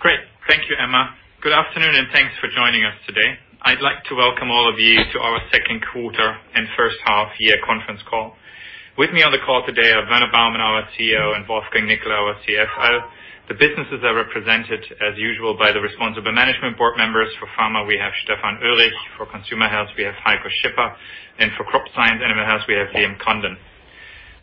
Great. Thank you, Emma. Good afternoon. Thanks for joining us today. I'd like to welcome all of you to our second quarter and first half year conference call. With me on the call today are Werner Baumann, our CEO, and Wolfgang Nickl, our CFO. The businesses are represented as usual by the responsible management board members. For pharma, we have Stefan Oelrich. For Consumer Health, we have Heiko Schipper. For Crop Science and animal health, we have Liam Condon.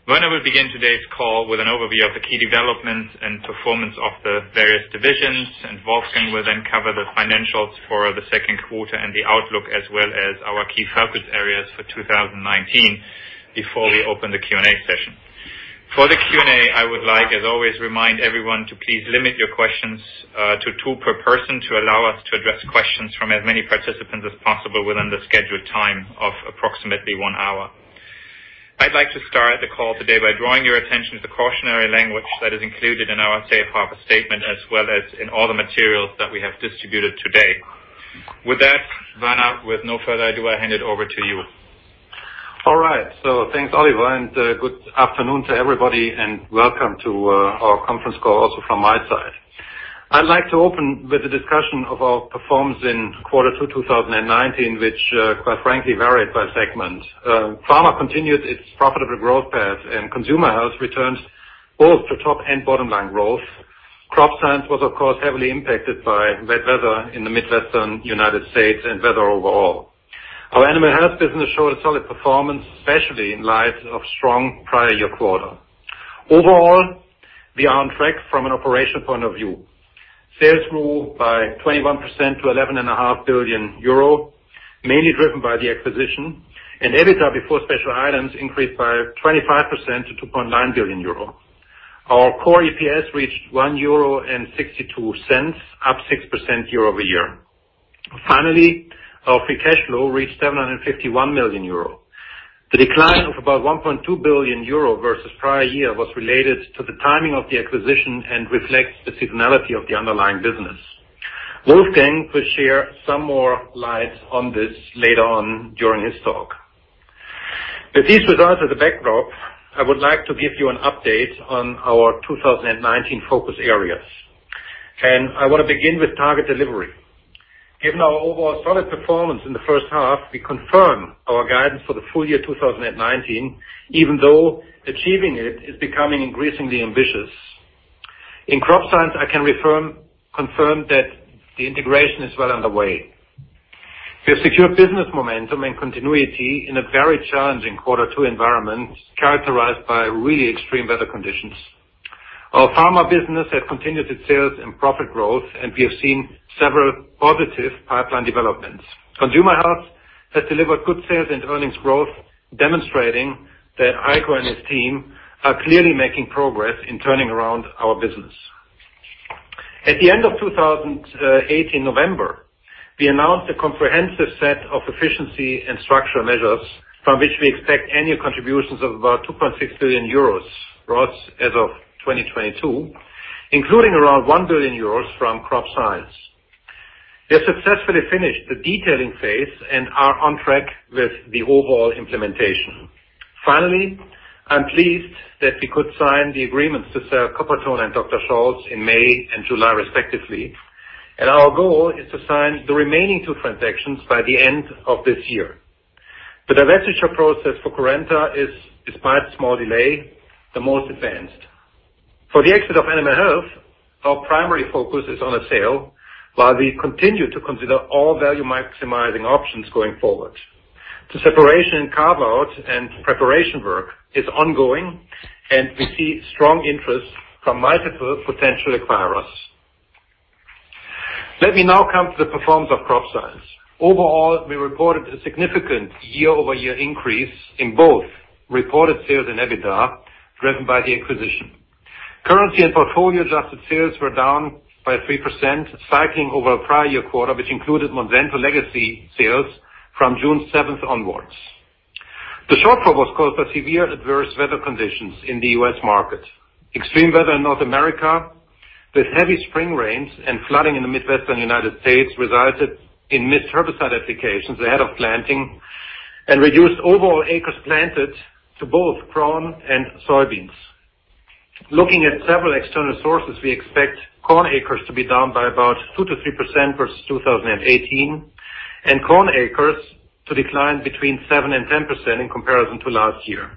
Werner will begin today's call with an overview of the key developments and performance of the various divisions, and Wolfgang will then cover the financials for the second quarter and the outlook, as well as our key focus areas for 2019 before we open the Q&A session. For the Q&A, I would like, as always, remind everyone to please limit your questions to two per person to allow us to address questions from as many participants as possible within the scheduled time of approximately one hour. I would like to start the call today by drawing your attention to the cautionary language that is included in our safe harbor statement, as well as in all the materials that we have distributed today. With that, Werner, with no further ado, I hand it over to you. Thanks, Oliver, good afternoon to everybody, and welcome to our conference call also from my side. I'd like to open with a discussion of our performance in quarter two 2019, which quite frankly varied by segment. Pharma continued its profitable growth path, Consumer Health returns both to top and bottom-line growth. Crop Science was, of course, heavily impacted by wet weather in the Midwestern U.S. and weather overall. Our animal health business showed a solid performance, especially in light of strong prior year quarter. Overall, we are on track from an operation point of view. Sales grew by 21% to 11.5 billion euro, mainly driven by the acquisition, EBITDA before special items increased by 25% to 2.9 billion euro. Our core EPS reached 1.62 euro, up 6% year-over-year. Finally, our free cash flow reached 751 million euro. The decline of about 1.2 billion euro versus prior year was related to the timing of the acquisition and reflects the seasonality of the underlying business. Wolfgang will share some more light on this later on during his talk. With these results as a backdrop, I would like to give you an update on our 2019 focus areas. I want to begin with target delivery. Given our overall solid performance in the first half, we confirm our guidance for the full year 2019, even though achieving it is becoming increasingly ambitious. In Crop Science, I can confirm that the integration is well underway. We have secured business momentum and continuity in a very challenging quarter two environment characterized by really extreme weather conditions. Our pharma business has continued its sales and profit growth, and we have seen several positive pipeline developments. Consumer Health has delivered good sales and earnings growth, demonstrating that Heiko and his team are clearly making progress in turning around our business. At the end of 2018, November, we announced a comprehensive set of efficiency and structural measures from which we expect annual contributions of about 2.6 billion euros, growth as of 2022, including around 1 billion euros from Crop Science. We have successfully finished the detailing phase and are on track with the overall implementation. Finally, I'm pleased that we could sign the agreements to sell Coppertone and Dr. Scholl's in May and July respectively. Our goal is to sign the remaining two transactions by the end of this year. The divestiture process for Currenta is, despite a small delay, the most advanced. For the exit of animal health, our primary focus is on a sale, while we continue to consider all value-maximizing options going forward. The separation, carve-out, and preparation work is ongoing, and we see strong interest from multiple potential acquirers. Let me now come to the performance of Crop Science. Overall, we reported a significant year-over-year increase in both reported sales and EBITDA, driven by the acquisition. Currency and portfolio-adjusted sales were down by 3%, cycling over prior year quarter, which included Monsanto legacy sales from June 7th onwards. The shortfall was caused by severe adverse weather conditions in the U.S. market. Extreme weather in North America, with heavy spring rains and flooding in the Midwestern U.S. resulted in missed herbicide applications ahead of planting and reduced overall acres planted to both corn and soybeans. Looking at several external sources, we expect corn acres to be down by about 2%-3% versus 2018, and corn acres to decline between 7% and 10% in comparison to last year.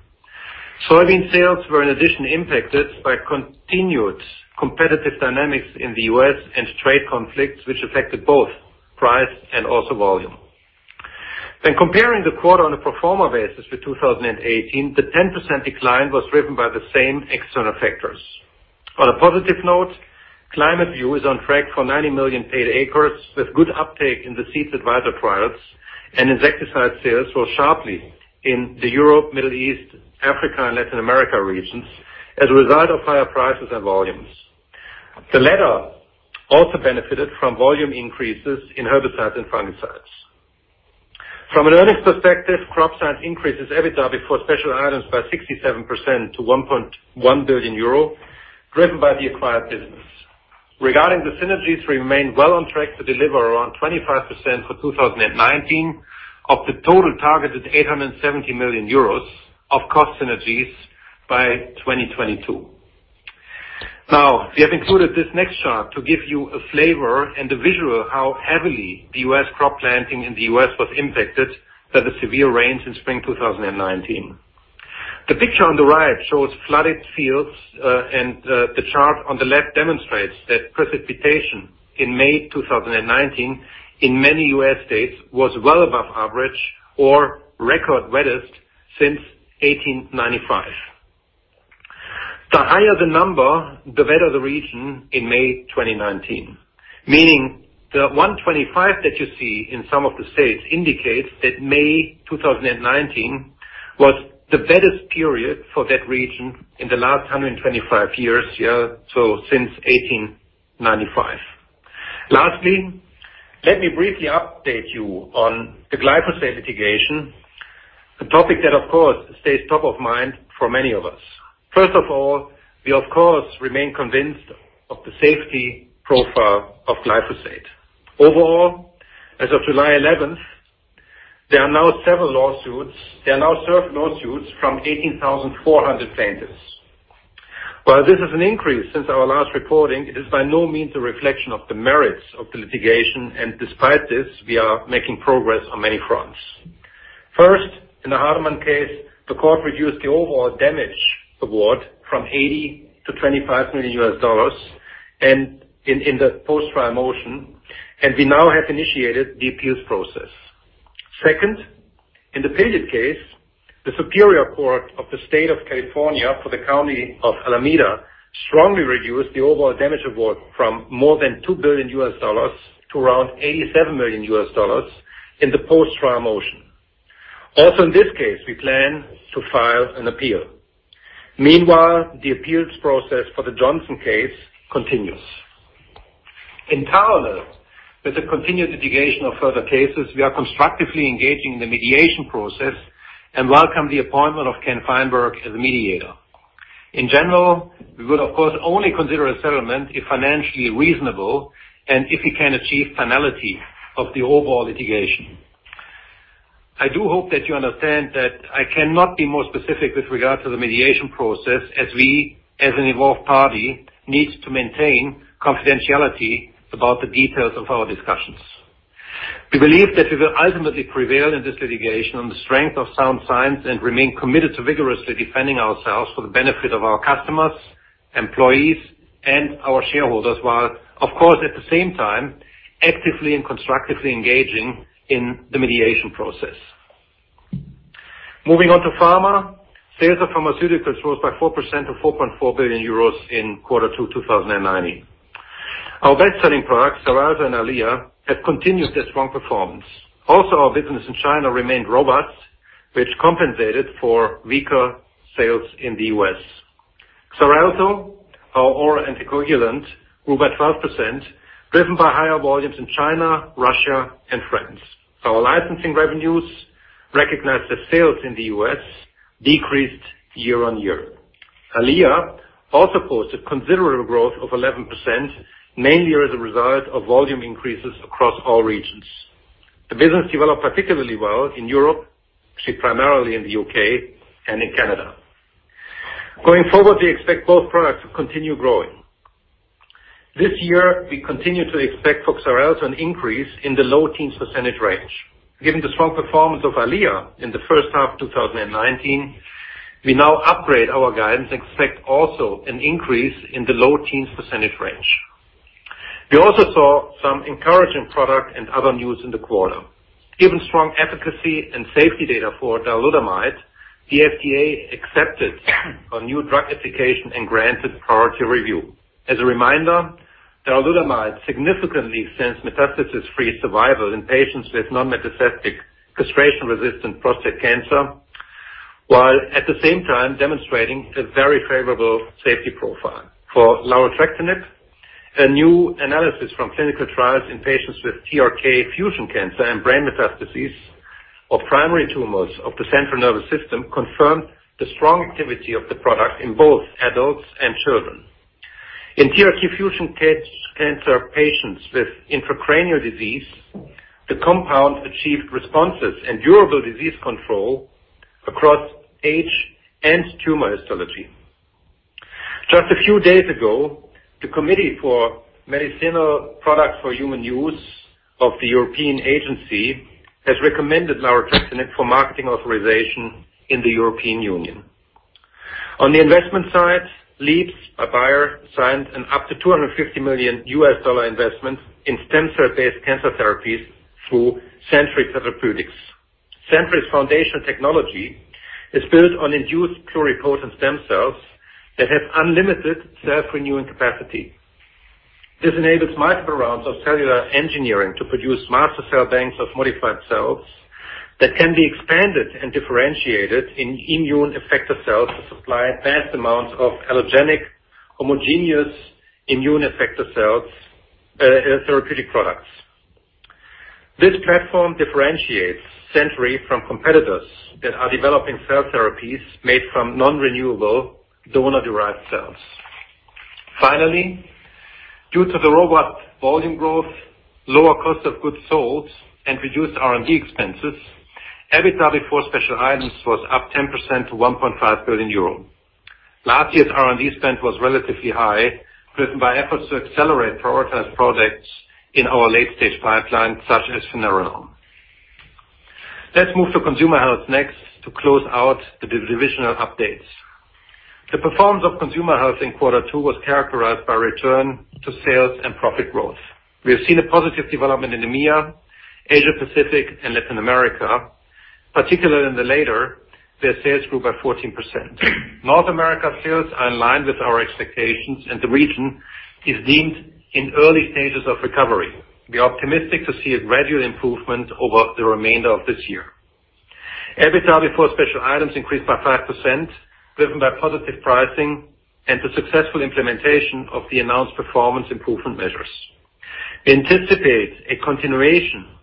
Soybean sales were in addition impacted by continued competitive dynamics in the U.S. and trade conflicts, which affected both price and also volume. When comparing the quarter on a pro forma basis with 2018, the 10% decline was driven by the same external factors. On a positive note, Climate FieldView is on track for 90 million paid acres with good uptake in the Seed Advisor trials, and insecticide sales rose sharply in the Europe, Middle East, Africa, and Latin America regions as a result of higher prices and volumes. The latter also benefited from volume increases in herbicides and fungicides. From an earnings perspective, Crop Science increases EBITDA before special items by 67% to 1.1 billion euro, driven by the acquired business. Regarding the synergies, we remain well on track to deliver around 25% for 2019 of the total targeted 870 million euros of cost synergies by 2022. We have included this next chart to give you a flavor and a visual how heavily the U.S. crop planting in the U.S. was impacted by the severe rains in spring 2019. The picture on the right shows flooded fields, the chart on the left demonstrates that precipitation in May 2019 in many U.S. states was well above average or record wettest since 1895. The higher the number, the wetter the region in May 2019, meaning the 125 that you see in some of the states indicates that May 2019 was the wettest period for that region in the last 125 years. Since 1895. Lastly, let me briefly update you on the glyphosate litigation, a topic that, of course, stays top of mind for many of us. First of all, we, of course, remain convinced of the safety profile of glyphosate. Overall, as of July 11th, there are now several lawsuits. There are now served lawsuits from 18,400 plaintiffs. While this is an increase since our last reporting, it is by no means a reflection of the merits of the litigation, and despite this, we are making progress on many fronts. First, in the Hardeman case, the court reduced the overall damage award from $80 million to $25 million in the post-trial motion, and we now have initiated the appeals process. Second, in the Pilliod case, the Superior Court of the State of California for the County of Alameda strongly reduced the overall damage award from more than $2 billion to around $87 million in the post-trial motion. Also, in this case, we plan to file an appeal. Meanwhile, the appeals process for the Johnson case continues. In parallel with the continued litigation of further cases, we are constructively engaging in the mediation process and welcome the appointment of Ken Feinberg as a mediator. In general, we would, of course, only consider a settlement if financially reasonable and if we can achieve finality of the overall litigation. I do hope that you understand that I cannot be more specific with regard to the mediation process as we, as an involved party, needs to maintain confidentiality about the details of our discussions. We believe that we will ultimately prevail in this litigation on the strength of sound science and remain committed to vigorously defending ourselves for the benefit of our customers, employees, and our shareholders, while, of course, at the same time, actively and constructively engaging in the mediation process. Moving on to pharma. Sales of pharmaceuticals rose by 4% to 4.4 billion euros in quarter two 2019. Our best-selling products, Xarelto and EYLEA, have continued their strong performance. Our business in China remained robust, which compensated for weaker sales in the U.S. Xarelto, our oral anticoagulant, grew by 12%, driven by higher volumes in China, Russia, and France. Our licensing revenues recognized as sales in the U.S. decreased year-on-year. EYLEA also posted considerable growth of 11%, mainly as a result of volume increases across all regions. The business developed particularly well in Europe, actually primarily in the U.K., and in Canada. Going forward, we expect both products to continue growing. This year, we continue to expect for Xarelto an increase in the low teens percentage range. Given the strong performance of EYLEA in the first half of 2019, we now upgrade our guidance and expect also an increase in the low teens percentage range. We also saw some encouraging product and other news in the quarter. Given strong efficacy and safety data for darolutamide, the FDA accepted our New Drug Application and granted priority review. As a reminder, darolutamide significantly extends metastasis-free survival in patients with non-metastatic castration-resistant prostate cancer, while at the same time demonstrating a very favorable safety profile. For larotrectinib, a new analysis from clinical trials in patients with TRK fusion cancer and brain metastases or primary tumors of the central nervous system confirmed the strong activity of the product in both adults and children. In TRK fusion cancer patients with intracranial disease, the compound achieved responses and durable disease control across age and tumor histology. Just a few days ago, the Committee for Medicinal Products for Human Use of the European Agency has recommended larotrectinib for marketing authorization in the European Union. On the investment side, Leaps by Bayer signed an up to $250 million investment in sensor-based cancer therapies through Century Therapeutics. Century's foundation technology is built on induced pluripotent stem cells that have unlimited self-renewing capacity. This enables multiple rounds of cellular engineering to produce master cell banks of modified cells that can be expanded and differentiated in immune effector cells to supply vast amounts of allogeneic homogeneous immune effector cells, therapeutic products. This platform differentiates Century from competitors that are developing cell therapies made from non-renewable donor-derived cells. Due to the robust volume growth, lower cost of goods sold and reduced R&D expenses, EBITDA before special items was up 10% to 1.5 billion euro. Last year's R&D spend was relatively high, driven by efforts to accelerate prioritized products in our late-stage pipeline, such as finerenone. Let's move to Consumer Health next to close out the divisional updates. The performance of Consumer Health in quarter two was characterized by return to sales and profit growth. We have seen a positive development in EMEA, Asia Pacific and Latin America. Particularly in the latter, their sales grew by 14%. North America sales are in line with our expectations, and the region is deemed in early stages of recovery. We are optimistic to see a gradual improvement over the remainder of this year. EBITDA before special items increased by 5%, driven by positive pricing and the successful implementation of the announced performance improvement measures. We anticipate a continuation of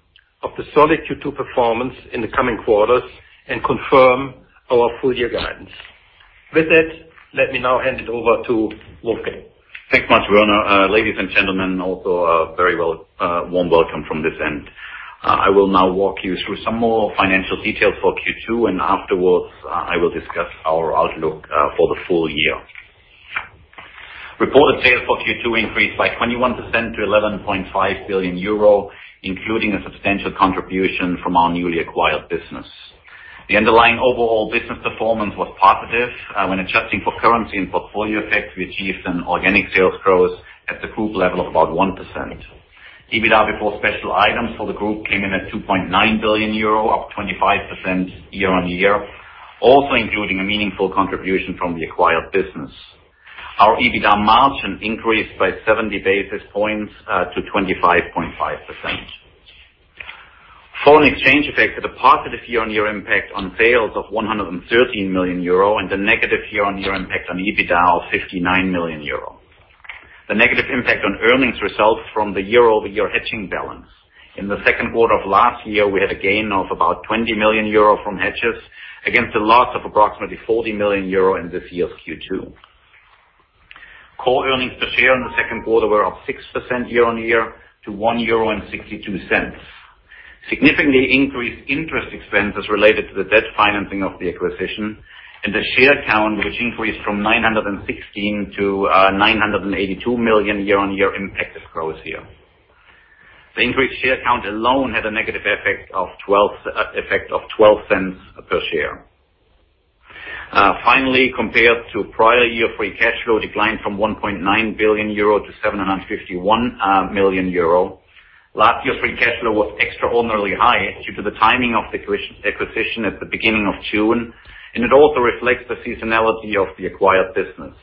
the solid Q2 performance in the coming quarters and confirm our full-year guidance. With that, let me now hand it over to Wolfgang. Thanks so much, Werner. Ladies and gentlemen, also a very warm welcome from this end. I will now walk you through some more financial details for Q2, and afterwards, I will discuss our outlook for the full year. Reported sales for Q2 increased by 21% to 11.5 billion euro, including a substantial contribution from our newly acquired business. The underlying overall business performance was positive. When adjusting for currency and portfolio effects, we achieved an organic sales growth at the group level of about 1%. EBITDA before special items for the group came in at 2.9 billion euro, up 25% year-on-year, also including a meaningful contribution from the acquired business. Our EBITDA margin increased by 70 basis points to 25.5%. Foreign exchange effects had a positive year-on-year impact on sales of 113 million euro and a negative year-on-year impact on EBITDA of 59 million euro. The negative impact on earnings results from the year-over-year hedging balance. In the second quarter of last year, we had a gain of about 20 million euro from hedges against a loss of approximately 40 million euro in this year's Q2. Core earnings per share in the second quarter were up 6% year-on-year to 1.62 euro. Significantly increased interest expenses related to the debt financing of the acquisition and the share count, which increased from 916 to 982 million year-on-year impacted growth here. The increased share count alone had a negative effect of 0.12 per share. Finally, compared to prior year, free cash flow declined from 1.9 billion euro to 751 million euro. Last year's free cash flow was extraordinarily high due to the timing of the acquisition at the beginning of June, and it also reflects the seasonality of the acquired business.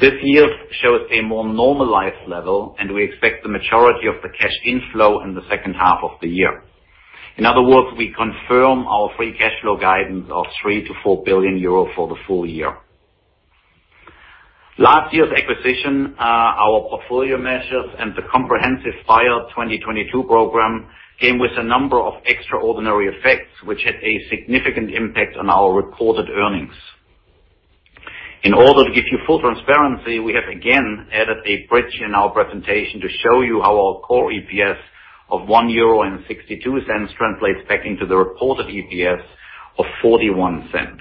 This year shows a more normalized level, and we expect the majority of the cash inflow in the second half of the year. In other words, we confirm our free cash flow guidance of 3 billion-4 billion euro for the full year. Last year's acquisition, our portfolio measures and the comprehensive Bayer 2022 program, came with a number of extraordinary effects, which had a significant impact on our reported earnings. In order to give you full transparency, we have again added a bridge in our presentation to show you how our core EPS of 1.62 euro translates back into the reported EPS of 0.41.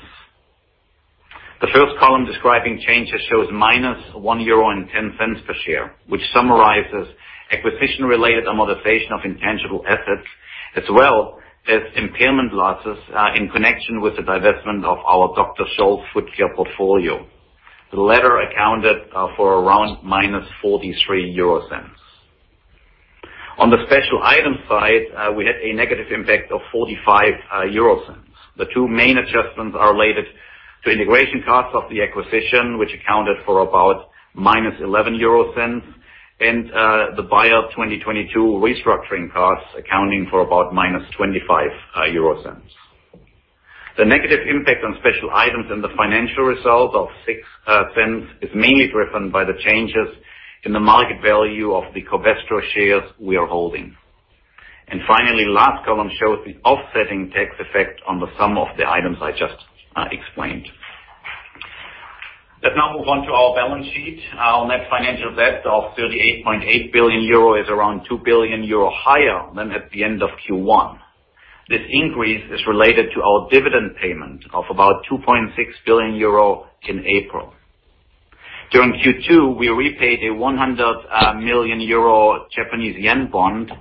The first column describing changes shows minus 1.10 euro per share, which summarizes acquisition-related amortization of intangible assets, as well as impairment losses in connection with the divestment of our Dr. Scholl's Foot Care portfolio. The latter accounted for around minus 0.43. On the special item side, we had a negative impact of 0.45. The two main adjustments are related to integration costs of the acquisition, which accounted for about minus 0.11 and the Bayer 2022 restructuring costs accounting for about minus 0.25. The negative impact on special items and the financial result of 0.06 is mainly driven by the changes in the market value of the Covestro shares we are holding. Finally, last column shows the offsetting tax effect on the sum of the items I just explained. Let's now move on to our balance sheet. Our net financial debt of 38.8 billion euro is around 2 billion euro higher than at the end of Q1. This increase is related to our dividend payment of about 2.6 billion euro in April. During Q2, we repaid a JPY 100 million bond.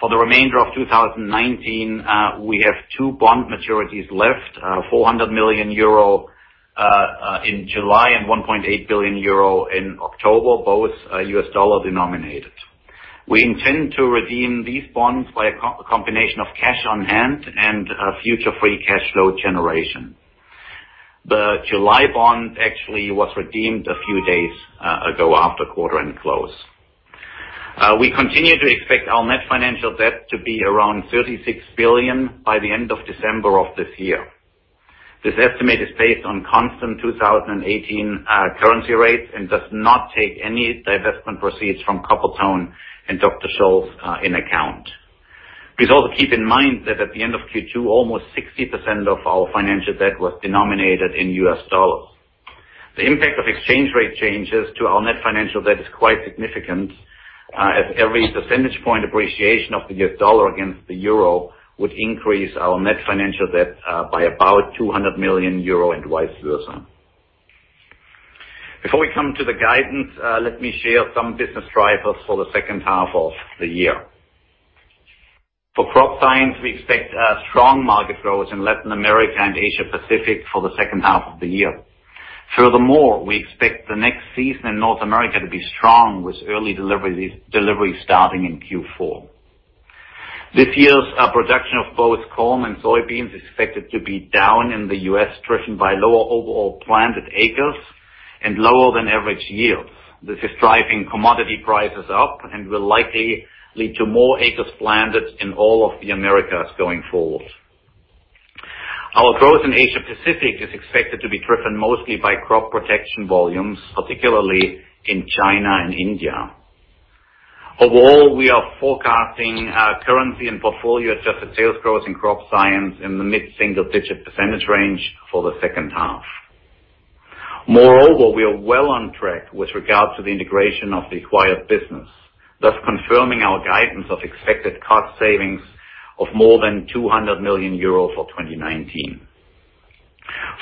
For the remainder of 2019, we have two bond maturities left, 400 million euro in July and 1.8 billion euro in October, both U.S. dollar denominated. We intend to redeem these bonds by a combination of cash on hand and future free cash flow generation. The July bond actually was redeemed a few days ago after quarter end close. We continue to expect our net financial debt to be around 36 billion by the end of December of this year. This estimate is based on constant 2018 currency rates and does not take any divestment proceeds from Coppertone and Dr. Scholl's in account. Please also keep in mind that at the end of Q2, almost 60% of our financial debt was denominated in U.S. dollars. The impact of exchange rate changes to our net financial debt is quite significant, as every percentage point appreciation of the U.S. dollar against the euro would increase our net financial debt by about 200 million euro and vice versa. Before we come to the guidance, let me share some business drivers for the second half of the year. For Crop Science, we expect strong market growth in Latin America and Asia Pacific for the second half of the year. We expect the next season in North America to be strong, with early deliveries starting in Q4. This year's production of both corn and soybeans is expected to be down in the U.S., driven by lower overall planted acres and lower than average yields. This is driving commodity prices up and will likely lead to more acres planted in all of the Americas going forward. Our growth in Asia Pacific is expected to be driven mostly by crop protection volumes, particularly in China and India. We are forecasting our currency and portfolio-adjusted sales growth in Crop Science in the mid-single digit percentage range for the second half. We are well on track with regard to the integration of the acquired business, thus confirming our guidance of expected cost savings of more than 200 million euros for 2019.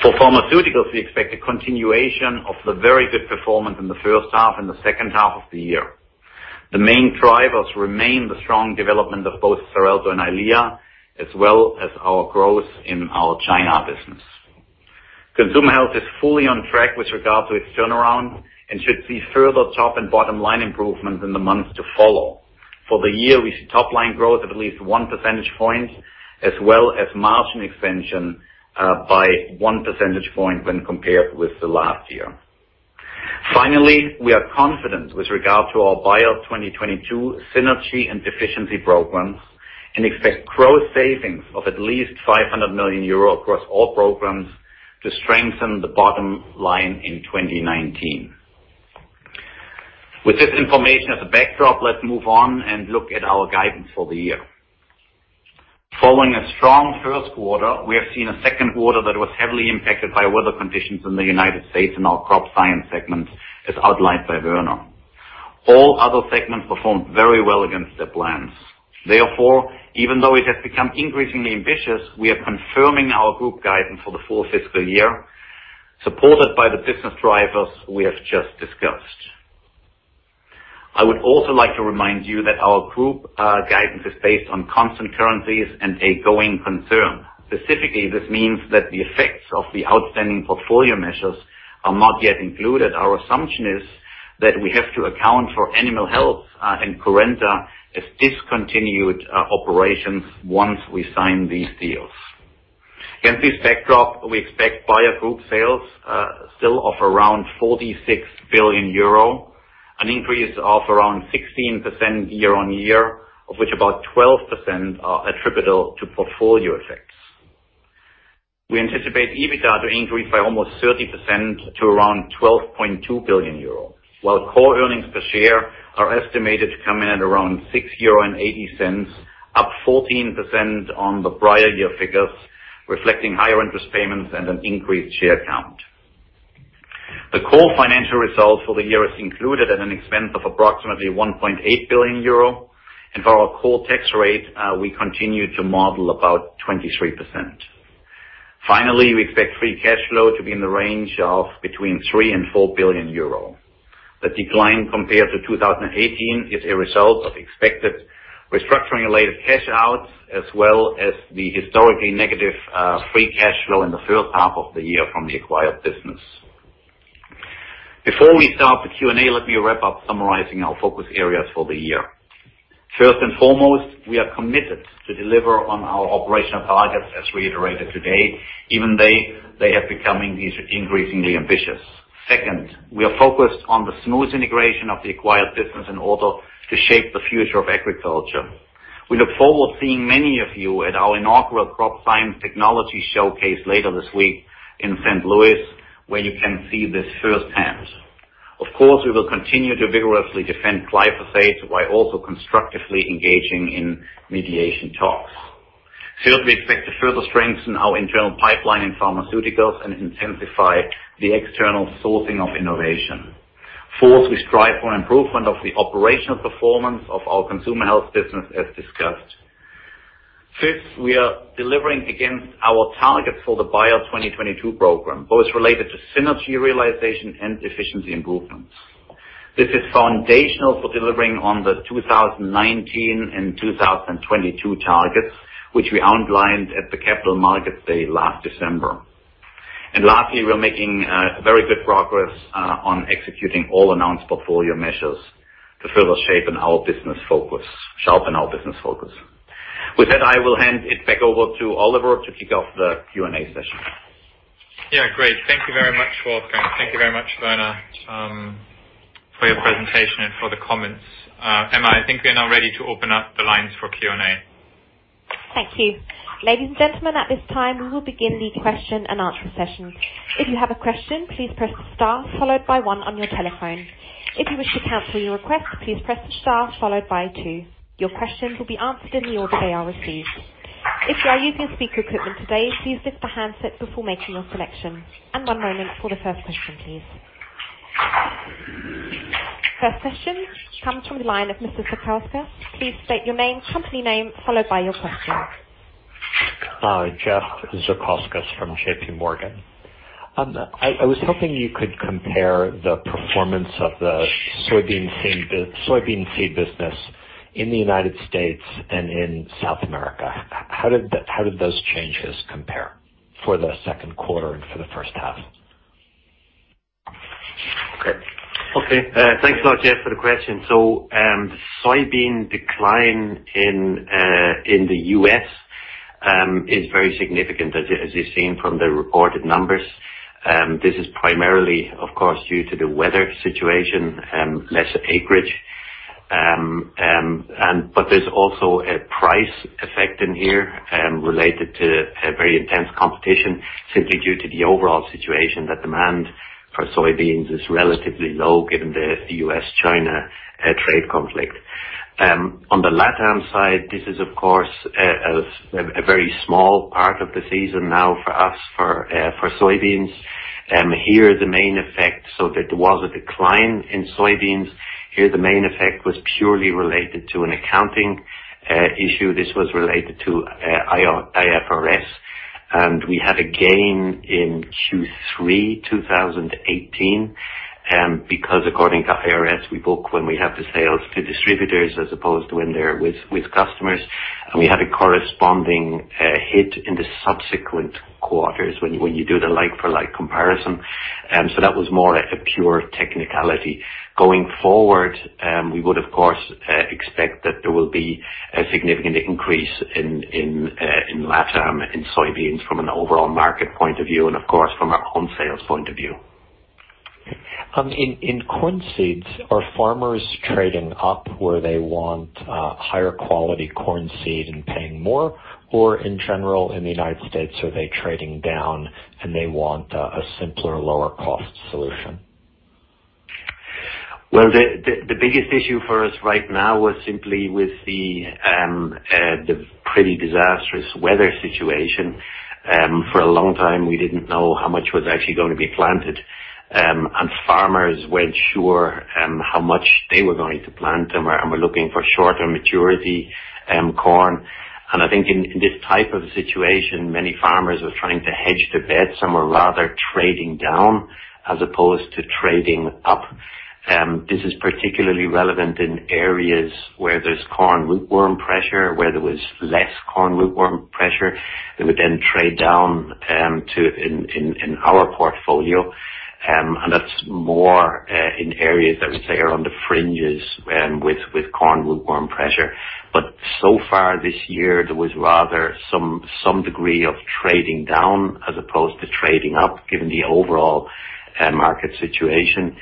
For Pharmaceuticals, we expect a continuation of the very good performance in the first half and the second half of the year. The main drivers remain the strong development of both Xarelto and EYLEA, as well as our growth in our China business. Consumer Health is fully on track with regard to its turnaround and should see further top and bottom line improvements in the months to follow. For the year, we see top line growth of at least one percentage point, as well as margin expansion by one percentage point when compared with the last year. Finally, we are confident with regard to our Bayer 2022 synergy and efficiency programs and expect gross savings of at least 500 million euro across all programs to strengthen the bottom line in 2019. With this information as a backdrop, let's move on and look at our guidance for the year. Following a strong first quarter, we have seen a second quarter that was heavily impacted by weather conditions in the United States and our Crop Science segment, as outlined by Werner. All other segments performed very well against their plans. Therefore, even though it has become increasingly ambitious, we are confirming our group guidance for the full fiscal year, supported by the business drivers we have just discussed. I would also like to remind you that our group guidance is based on constant currencies and a going concern. Specifically, this means that the effects of the outstanding portfolio measures are not yet included. Our assumption is that we have to account for Animal Health and Currenta as discontinued operations once we sign these deals. Against this backdrop, we expect Bayer Group sales still of around 46 billion euro, an increase of around 16% year-over-year, of which about 12% are attributable to portfolio effects. We anticipate EBITDA to increase by almost 30% to around 12.2 billion euro, while core earnings per share are estimated to come in at around 6.80 euro, up 14% on the prior year figures, reflecting higher interest payments and an increased share count. The core financial results for the year is included at an expense of approximately 1.8 billion euro. For our core tax rate, we continue to model about 23%. Finally, we expect free cash flow to be in the range of between 3 billion and 4 billion euro. The decline compared to 2018 is a result of expected restructuring-related cash outs, as well as the historically negative free cash flow in the first half of the year from the acquired business. Before we start the Q&A, let me wrap up summarizing our focus areas for the year. First and foremost, we are committed to deliver on our operational targets as reiterated today, even they have becoming increasingly ambitious. Second, we are focused on the smooth integration of the acquired business in order to shape the future of agriculture. We look forward to seeing many of you at our inaugural Crop Science Technology showcase later this week in St. Louis, where you can see this firsthand. Of course, we will continue to vigorously defend glyphosate while also constructively engaging in mediation talks. Third, we expect to further strengthen our internal pipeline in pharmaceuticals and intensify the external sourcing of innovation. Fourth, we strive for improvement of the operational performance of our Consumer Health business as discussed. Fifth, we are delivering against our targets for the Bayer 2022 program, both related to synergy realization and efficiency improvements. This is foundational for delivering on the 2019 and 2022 targets, which we outlined at the Capital Markets Day last December. Lastly, we are making very good progress on executing all announced portfolio measures to further sharpen our business focus. With that, I will hand it back over to Oliver to kick off the Q&A session. Yeah, great. Thank you very much, Wolfgang. Thank you very much, Werner, for your presentation and for the comments. Emma, I think we are now ready to open up the lines for Q&A. Thank you. Ladies and gentlemen, at this time, we will begin the question-and-answer session. If you have a question, please press star followed by one on your telephone. If you wish to cancel your request, please press star followed by two. Your questions will be answered in the order they are received. If you are using speaker equipment today, please lift the handset before making your selection. One moment for the first question, please. First question comes from the line of Mr. Zekauskas. Please state your name, company name, followed by your question. Hi, Jeff Zekauskas from JPMorgan. I was hoping you could compare the performance of the soybean seed business in the United States and in South America. How did those changes compare for the second quarter and for the first half? Okay. Thanks a lot, Jeff, for the question. The soybean decline in the U.S. is very significant, as you've seen from the reported numbers. This is primarily, of course, due to the weather situation, less acreage. There's also a price effect in here related to very intense competition, simply due to the overall situation that demand for soybeans is relatively low given the U.S.-China trade conflict. On the LATAM side, this is, of course, a very small part of the season now for us, for soybeans. There was a decline in soybeans. Here, the main effect was purely related to an accounting issue. This was related to IFRS. We had a gain in Q3 2018, because according to IFRS, we book when we have the sales to distributors as opposed to when they're with customers. We had a corresponding hit in the subsequent quarters when you do the like-for-like comparison. That was more like a pure technicality. Going forward, we would, of course, expect that there will be a significant increase in LATAM, in soybeans from an overall market point of view, and of course, from our own sales point of view. In corn seeds, are farmers trading up where they want higher quality corn seed and paying more? Or in general, in the United States, are they trading down and they want a simpler, lower-cost solution? Well, the biggest issue for us right now was simply with the pretty disastrous weather situation. For a long time, we didn't know how much was actually going to be planted. Farmers weren't sure how much they were going to plant and were looking for shorter maturity corn. I think in this type of situation, many farmers were trying to hedge their bets and were rather trading down as opposed to trading up. This is particularly relevant in areas where there's corn rootworm pressure. Where there was less corn rootworm pressure, they would then trade down in our portfolio. That's more in areas that would say are on the fringes and with corn rootworm pressure. So far this year, there was rather some degree of trading down as opposed to trading up, given the overall market situation.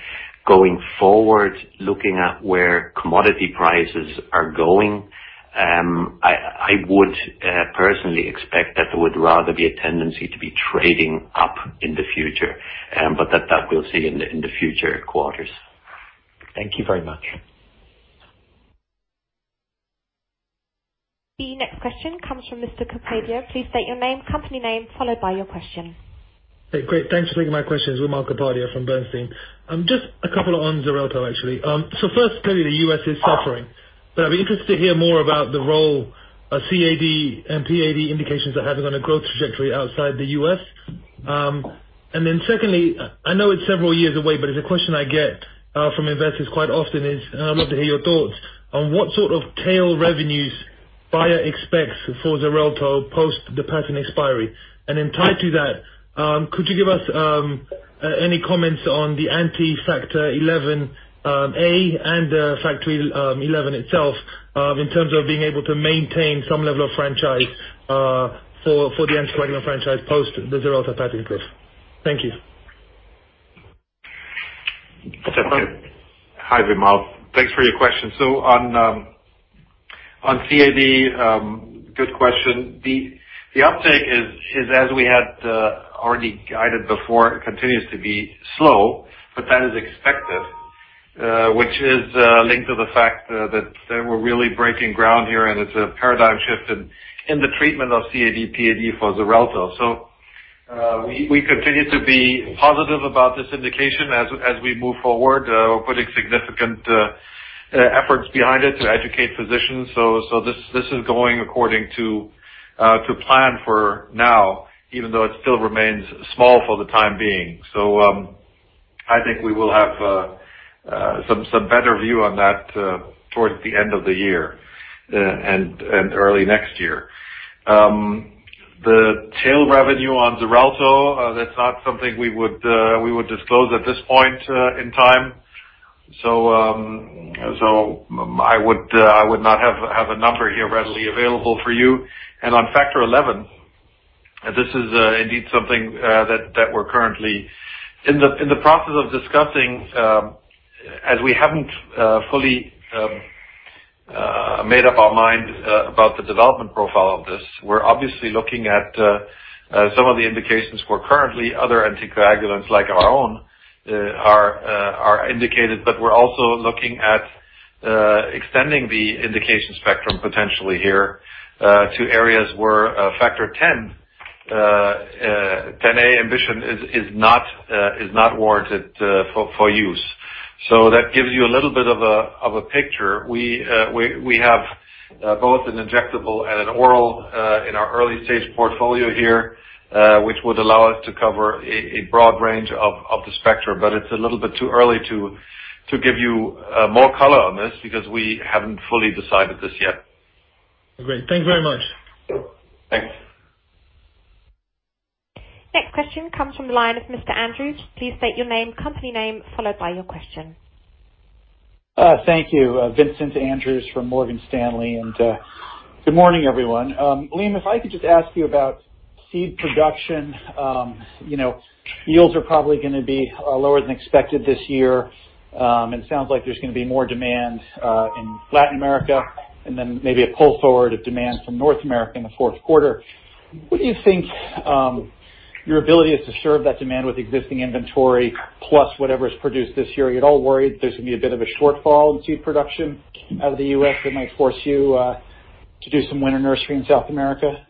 Going forward, looking at where commodity prices are going, I would personally expect that there would rather be a tendency to be trading up in the future. That we'll see in the future quarters. Thank you very much. The next question comes from Mr. Kapadia. Please state your name, company name, followed by your question. Great. Thanks for taking my questions. Wimal Kapadia from Bernstein. Just a couple on Xarelto, actually. First, clearly the U.S. is suffering, but I'd be interested to hear more about the role of CAD and PAD indications are having on a growth trajectory outside the U.S. Secondly, I know it's several years away, but it's a question I get from investors quite often is, I'd love to hear your thoughts on what sort of tail revenues Bayer expects for Xarelto post the patent expiry. Tied to that, could you give us any comments on the anti-Factor XIa and Factor XI itself in terms of being able to maintain some level of franchise for the anticoagulant franchise post the Xarelto patent cliff? Thank you. Okay. Hi, Wimal. Thanks for your question. On CAD, good question. The uptake is as we had already guided before, continues to be slow, but that is expected, which is linked to the fact that we're really breaking ground here and it's a paradigm shift in the treatment of CAD/PAD for Xarelto. We continue to be positive about this indication as we move forward. We're putting significant efforts behind it to educate physicians. This is going according to plan for now, even though it still remains small for the time being. I think we will have some better view on that towards the end of the year and early next year. The tail revenue on Xarelto, that's not something we would disclose at this point in time. I would not have a number here readily available for you. On Factor XI This is indeed something that we're currently in the process of discussing, as we haven't fully made up our mind about the development profile of this. We're obviously looking at some of the indications where currently other anticoagulants like our own are indicated, but we're also looking at extending the indication spectrum potentially here to areas where Factor Xa inhibition is not warranted for use. That gives you a little bit of a picture. We have both an injectable and an oral in our early-stage portfolio here, which would allow us to cover a broad range of the spectrum. It's a little bit too early to give you more color on this because we haven't fully decided this yet. Great. Thank you very much. Thanks. Next question comes from the line of Mr. Andrews. Please state your name, company name, followed by your question. Thank you. Vincent Andrews from Morgan Stanley. Good morning, everyone. Liam, if I could just ask you about seed production. Yields are probably going to be lower than expected this year, and it sounds like there's going to be more demand in Latin America and then maybe a pull forward of demand from North America in the fourth quarter. What do you think your ability is to serve that demand with existing inventory, plus whatever's produced this year? Are you at all worried there's going to be a bit of a shortfall in seed production out of the U.S. that might force you to do some winter nursery in South America? Yeah.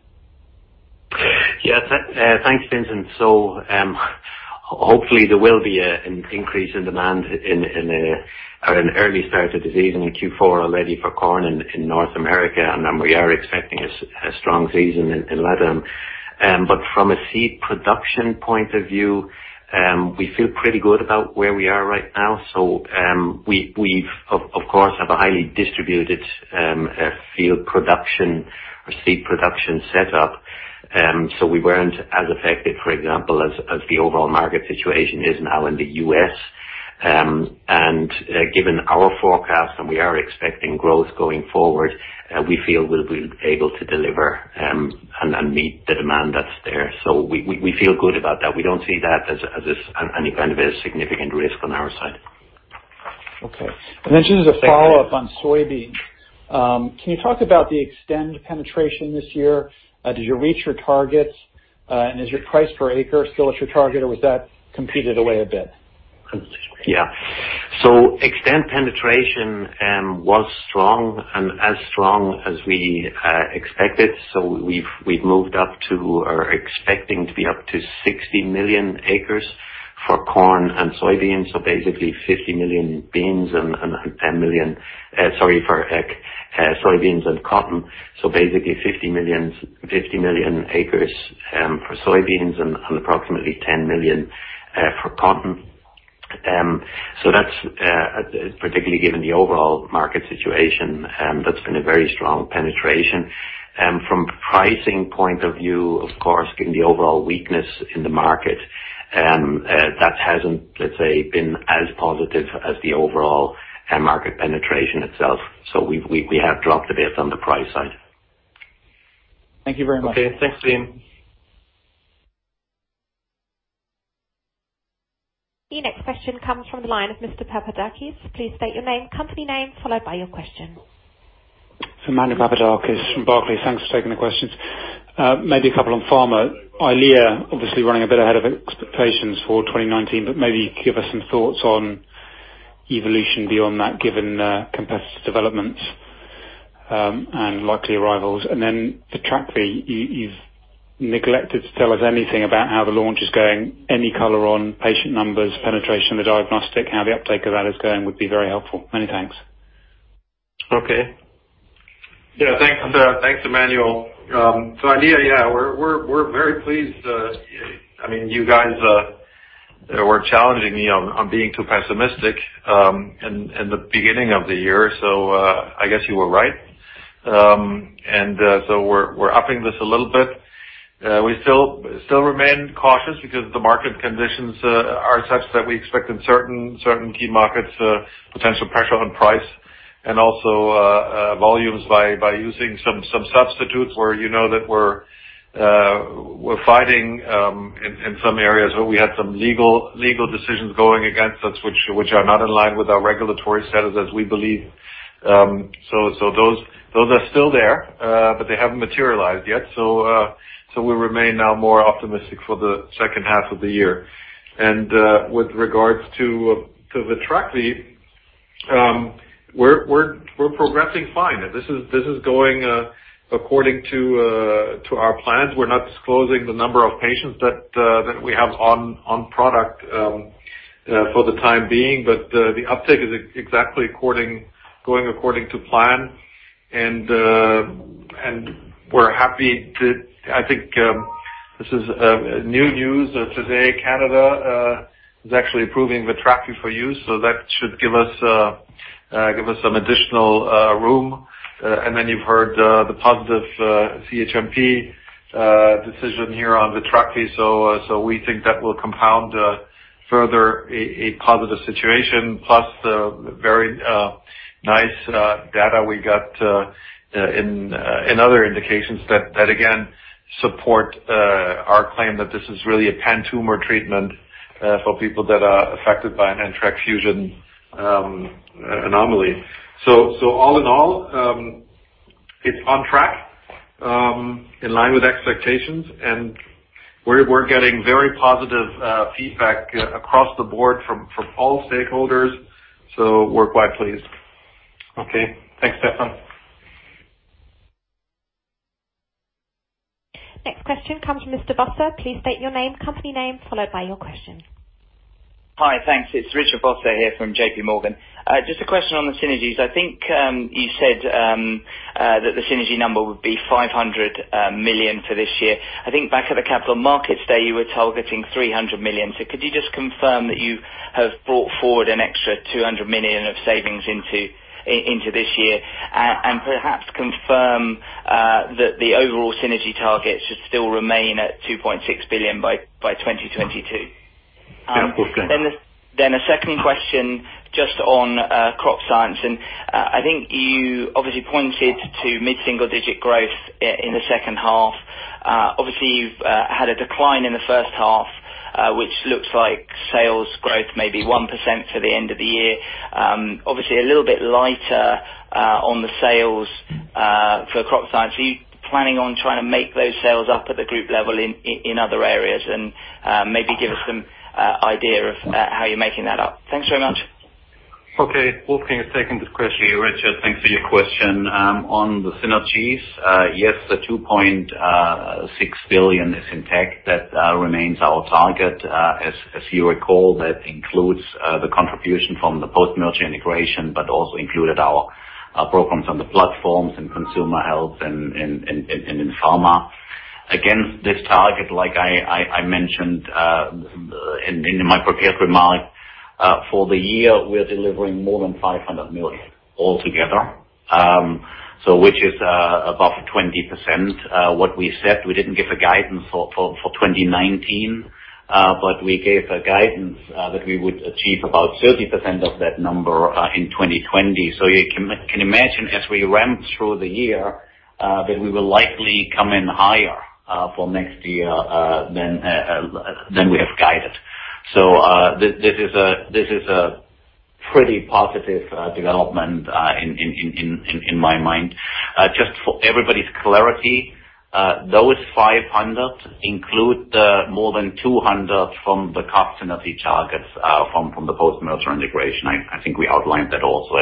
Thanks, Vincent. Hopefully there will be an increase in demand or an early start to the season in Q4 already for corn in North America. We are expecting a strong season in LATAM. From a seed production point of view, we feel pretty good about where we are right now. We, of course, have a highly distributed field production or seed production set up. We weren't as affected, for example, as the overall market situation is now in the U.S. Given our forecast, and we are expecting growth going forward, we feel we'll be able to deliver and meet the demand that's there. We feel good about that. We don't see that as any kind of a significant risk on our side. Okay. Then just as a follow-up on soybeans, can you talk about the Xtend penetration this year? Did you reach your targets? Is your price per acre still at your target or was that competed away a bit? Yeah. Xtend penetration was strong and as strong as we expected. We've moved up to or are expecting to be up to 60 million acres for corn and soybeans. Basically 50 million beans and 10 million for soybeans and cotton. Basically 50 million acres for soybeans and approximately 10 million for cotton. That's, particularly given the overall market situation, that's been a very strong penetration. From pricing point of view, of course, given the overall weakness in the market, that hasn't, let's say, been as positive as the overall market penetration itself. We have dropped a bit on the price side. Thank you very much. Okay. Thanks, Liam. The next question comes from the line of Mr. Papadakis. Please state your name, company name, followed by your question. Emmanuel Papadakis from Barclays. Thanks for taking the questions. A couple on pharma. EYLEA obviously running a bit ahead of expectations for 2019, maybe give us some thoughts on evolution beyond that, given competitive developments and likely arrivals. VITRAKVI, you've neglected to tell us anything about how the launch is going. Any color on patient numbers, penetration in the diagnostic, how the uptake of that is going would be very helpful. Many thanks. Okay. Thanks, Emmanuel. EYLEA, we're very pleased. You guys were challenging me on being too pessimistic in the beginning of the year, I guess you were right. We're upping this a little bit. We still remain cautious because the market conditions are such that we expect in certain key markets, potential pressure on price and also volumes by using some substitutes where you know that we're fighting in some areas where we had some legal decisions going against us, which are not in line with our regulatory status as we believe. Those are still there, but they haven't materialized yet. We remain now more optimistic for the second half of the year. With regards to VITRAKVI, we're progressing fine. This is going according to our plans. We're not disclosing the number of patients that we have on product for the time being, but the uptake is exactly going according to plan. We're happy. I think this is new news. Today, Canada is actually approving VITRAKVI for use, that should give us some additional room. You've heard the positive CHMP decision here on VITRAKVI. We think that will compound further a positive situation, plus the very nice data we got in other indications that again support our claim that this is really a pan-tumor treatment for people that are affected by an NTRK fusion anomaly. All in all, it's on track, in line with expectations, and we're getting very positive feedback across the board from all stakeholders. We're quite pleased. Okay. Thanks, Stefan. Next question comes from Mr. Vosser. Please state your name, company name, followed by your question. Hi. Thanks. It's Richard Vosser here from JPMorgan. Just a question on the synergies. I think you said that the synergy number would be 500 million for this year. I think back at the Capital Markets Day, you were targeting 300 million. Could you just confirm that you have brought forward an extra 200 million of savings into this year? Perhaps confirm that the overall synergy target should still remain at 2.6 billion by 2022. Yeah, of course. A second question just on Crop Science. I think you obviously pointed to mid-single digit growth in the second half. Obviously, you've had a decline in the first half, which looks like sales growth may be 1% for the end of the year. Obviously, a little bit lighter on the sales for Crop Science. Are you planning on trying to make those sales up at the group level in other areas? Maybe give us some idea of how you're making that up. Thanks very much. Okay. Wolfgang is taking this question. Hey, Richard. Thanks for your question. On the synergies, yes, the 2.6 billion is intact. That remains our target. As you recall, that includes the contribution from the post-merger integration, but also included our programs on the platforms and Consumer Health and in Pharma. Against this target, like I mentioned in my prepared remarks, for the year, we are delivering more than 500 million altogether, so which is above 20%. What we said, we didn't give a guidance for 2019, but we gave a guidance that we would achieve about 30% of that number in 2020. You can imagine as we ramp through the year that we will likely come in higher for next year than we have guided. This is a pretty positive development in my mind. Just for everybody's clarity, those 500 include the more than 200 from the cost synergy targets from the post-merger integration. I think we outlined that also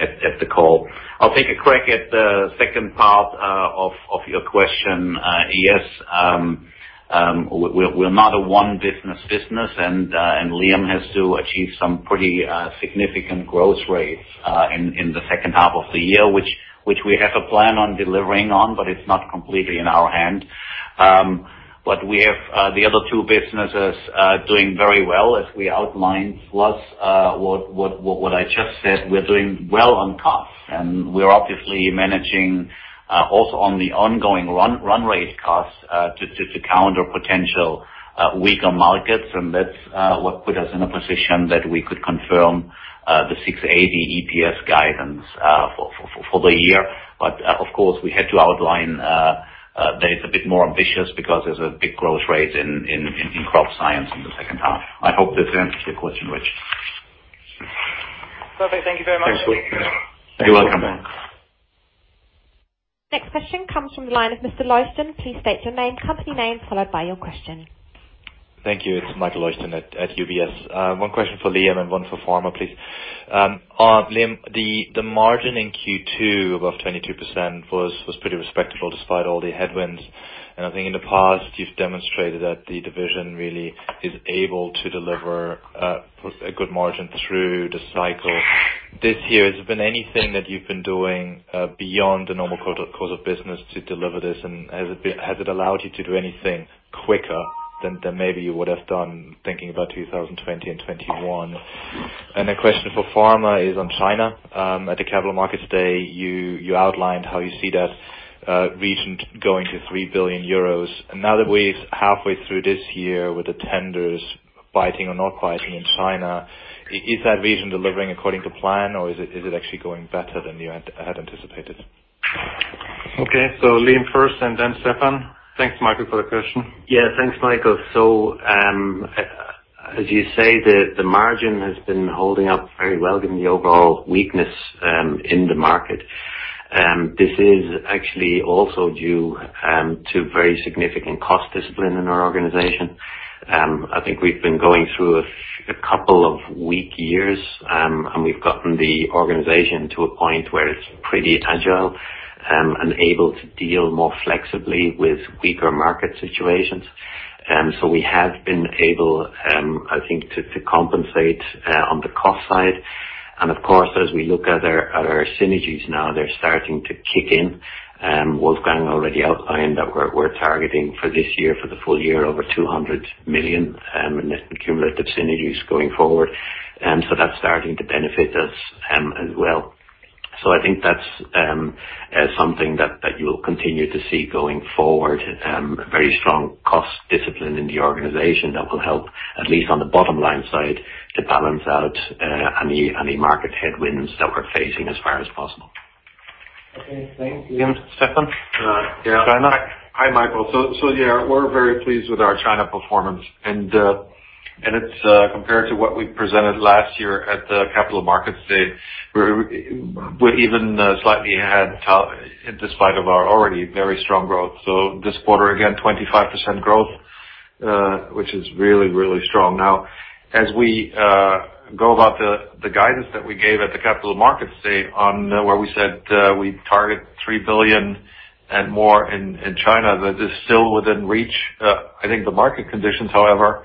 at the call. I'll take a crack at the second part of your question. Yes, we're not a one business business. Liam has to achieve some pretty significant growth rates in the second half of the year, which we have a plan on delivering on, but it's not completely in our hand. We have the other two businesses doing very well as we outlined, plus what I just said, we're doing well on costs, and we're obviously managing also on the ongoing run rate costs to counter potential weaker markets. That's what put us in a position that we could confirm the 6.80 EPS guidance for the year. Of course, we had to outline that it's a bit more ambitious because there's a big growth rate in Crop Science in the second half. I hope this answers your question, Rich. Perfect. Thank you very much. Thanks, Wolfgang. You're welcome. Next question comes from the line of Mr. Leuchten. Please state your name, company name, followed by your question. Thank you. It's Michael Leuchten at UBS. One question for Liam and one for Pharma, please. Liam, the margin in Q2 above 22% was pretty respectable despite all the headwinds. I think in the past, you've demonstrated that the Division really is able to deliver a good margin through the cycle. This year, has there been anything that you've been doing beyond the normal course of business to deliver this, and has it allowed you to do anything quicker than maybe you would have done thinking about 2020 and 2021? The question for Pharma is on China. At the Capital Markets Day, you outlined how you see that region going to 3 billion euros. Now that we're halfway through this year with the tenders biting or not biting in China, is that region delivering according to plan, or is it actually going better than you had anticipated? Okay. Liam first and then Stefan. Thanks, Michael, for the question. Thanks, Michael. As you say, the margin has been holding up very well given the overall weakness in the market. This is actually also due to very significant cost discipline in our organization. I think we've been going through a couple of weak years, and we've gotten the organization to a point where it's pretty agile and able to deal more flexibly with weaker market situations. We have been able, I think, to compensate on the cost side. Of course, as we look at our synergies now, they're starting to kick in. Wolfgang already outlined that we're targeting for this year, for the full year, over 200 million in net cumulative synergies going forward. That's starting to benefit us as well. I think that's something that you'll continue to see going forward, very strong cost discipline in the organization that will help, at least on the bottom-line side, to balance out any market headwinds that we're facing as far as possible. Okay, thank you. Liam, Stefan? China. Hi, Michael. Yeah, we're very pleased with our China performance. It's compared to what we presented last year at the Capital Markets Day, where we even slightly had, despite of our already very strong growth. This quarter, again, 25% growth, which is really, really strong. As we go about the guidance that we gave at the Capital Markets Day on where we said we target 3 billion and more in China, that is still within reach. I think the market conditions, however, are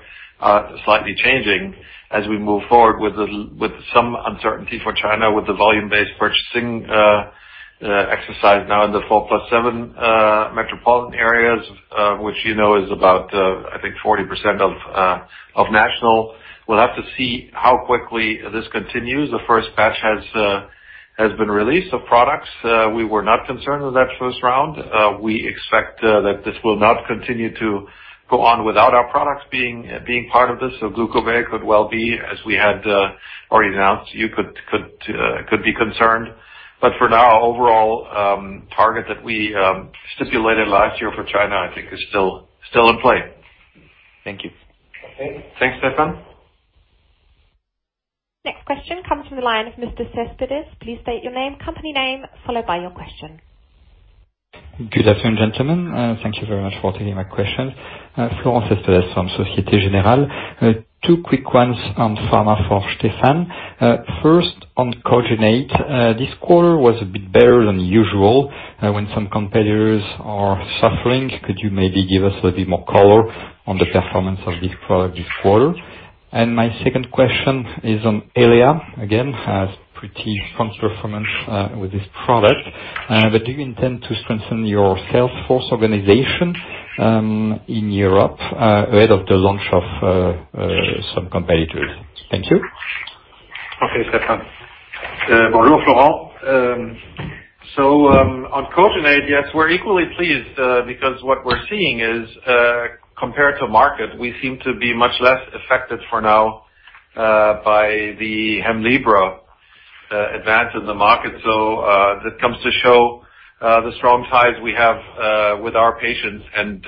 slightly changing as we move forward with some uncertainty for China, with the volume-based purchasing exercise now in the four plus seven metropolitan areas, which you know is about, I think, 40% of national. We'll have to see how quickly this continues. The first batch has been released of products. We were not concerned with that first round. We expect that this will not continue to go on without our products being part of this. Glucobay could well be, as we had already announced, could be concerned. For now, overall target that we stipulated last year for China, I think is still in play. Thank you. Okay. Thanks, Stefan. Next question comes from the line of Mr. Cespedes. Please state your name, company name, followed by your question. Good afternoon, gentlemen. Thank you very much for taking my question. Florent Cespedes from Societe Generale. Two quick ones on pharma for Stefan. First, on Kogenate. This quarter was a bit better than usual. When some competitors are suffering, could you maybe give us a bit more color on the performance of this product this quarter? My second question is on EYLEA. Again, pretty strong performance with this product. Do you intend to strengthen your salesforce organization in Europe ahead of the launch of some competitors? Thank you. Okay, Stefan. Bonjour, Florent. On Kogenate, yes, we're equally pleased because what we're seeing is, compared to market, we seem to be much less affected for now by the Hemlibra advance in the market. That comes to show the strong ties we have with our patients and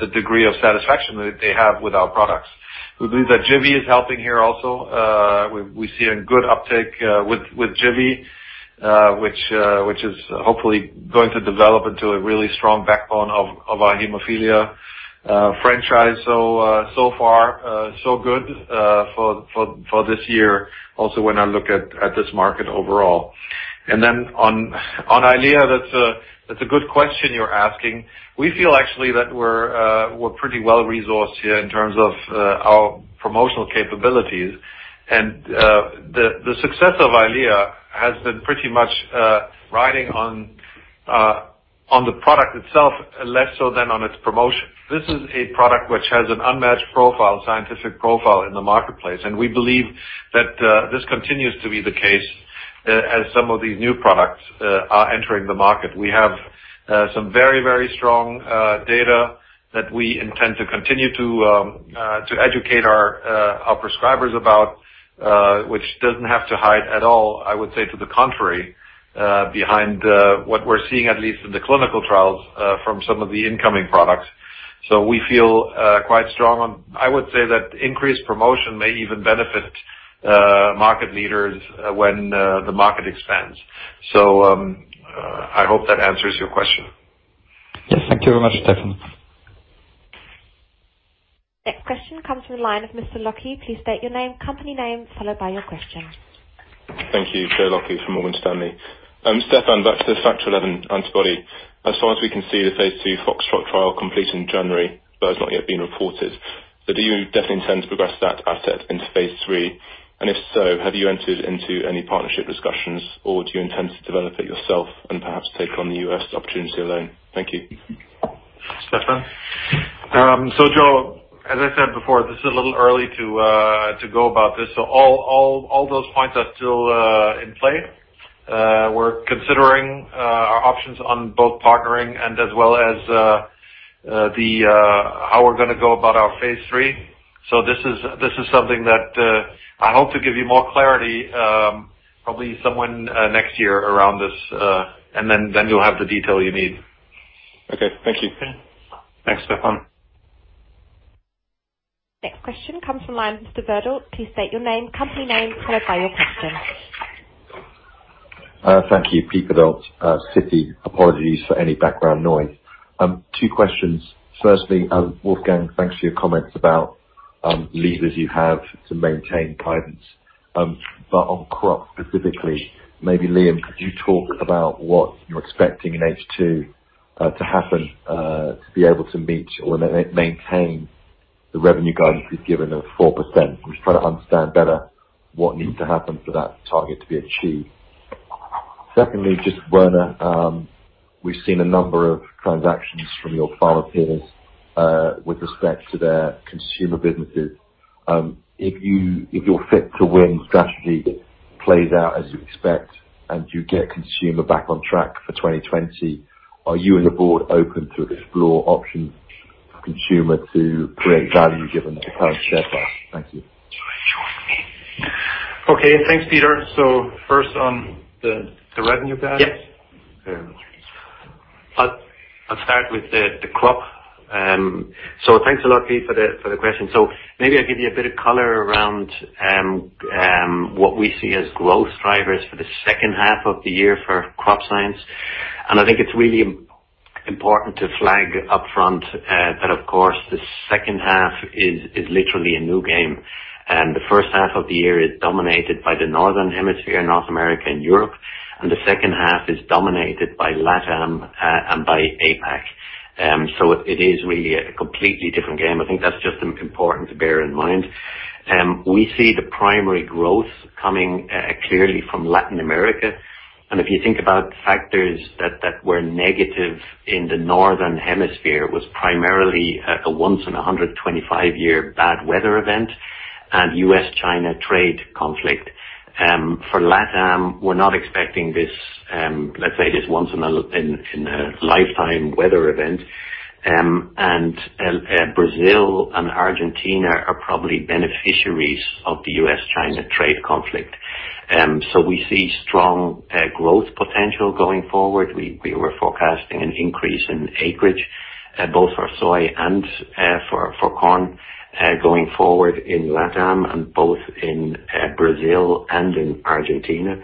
the degree of satisfaction that they have with our products. We believe that Jivi is helping here also. We see a good uptake with Jivi, which is hopefully going to develop into a really strong backbone of our hemophilia franchise. Far so good for this year, also when I look at this market overall. On EYLEA, that's a good question you're asking. We feel actually that we're pretty well-resourced here in terms of our promotional capabilities. The success of EYLEA has been pretty much riding on the product itself, less so than on its promotion. This is a product which has an unmatched profile, scientific profile in the marketplace, and we believe that this continues to be the case as some of these new products are entering the market. We have some very, very strong data that we intend to continue to educate our prescribers about which doesn't have to hide at all, I would say to the contrary, behind what we're seeing, at least in the clinical trials, from some of the incoming products. We feel quite strong. I would say that increased promotion may even benefit market leaders when the market expands. I hope that answers your question. Yes. Thank you very much, Stefan. Next question comes from the line of Mr. Lockey. Please state your name, company name, followed by your question. Thank you. Joe Lockey from Morgan Stanley. Stefan, back to the Factor XI antibody. As far as we can see, the phase II FOxTROT trial complete in January, but has not yet been reported. Do you definitely intend to progress that asset into Phase III? If so, have you entered into any partnership discussions, or do you intend to develop it yourself and perhaps take on the U.S. opportunity alone? Thank you. Stefan. Joe, as I said before, this is a little early to go about this. All those points are still in play. We're considering our options on both partnering and as well as how we're going to go about our phase III. This is something that I hope to give you more clarity, probably somewhere next year around this, and then you'll have the detail you need. Okay. Thank you. Thanks, Stefan. Next question comes from the line of Mr. Verdult. Please state your name, company name, followed by your question. Thank you. Pete Verdult, Citi. Apologies for any background noise. Two questions. Firstly, Wolfgang, thanks for your comments about levers you have to maintain guidance. On Crop specifically, maybe Liam, could you talk about what you're expecting in H2 to happen to be able to meet or maintain the revenue guidance you've given of 4%? I'm just trying to understand better what needs to happen for that target to be achieved. Secondly, just Werner, we've seen a number of transactions from your pharma peers with respect to their Consumer businesses. If your Fit to Win strategy plays out as you expect and you get Consumer back on track for 2020, are you and the board open to explore options for Consumer to create value given the current share price? Thank you. Okay, thanks Peter. First on the revenue guidance? Yes. I'll start with the crop. Thanks a lot, Pete, for the question. Maybe I'll give you a bit of color around what we see as growth drivers for the second half of the year for Crop Science, and I think it's really important to flag up front that, of course, the second half is literally a new game, and the first half of the year is dominated by the Northern Hemisphere, North America and Europe, and the second half is dominated by LATAM and by APAC. It is really a completely different game. I think that's just important to bear in mind. We see the primary growth coming clearly from Latin America, and if you think about factors that were negative in the Northern Hemisphere, was primarily a once in 125-year bad weather event and U.S.-China trade conflict. For LATAM, we're not expecting this, let's say, this once in a lifetime weather event. Brazil and Argentina are probably beneficiaries of the U.S.-China trade conflict. We see strong growth potential going forward. We were forecasting an increase in acreage both for soy and for corn going forward in LATAM and both in Brazil and in Argentina.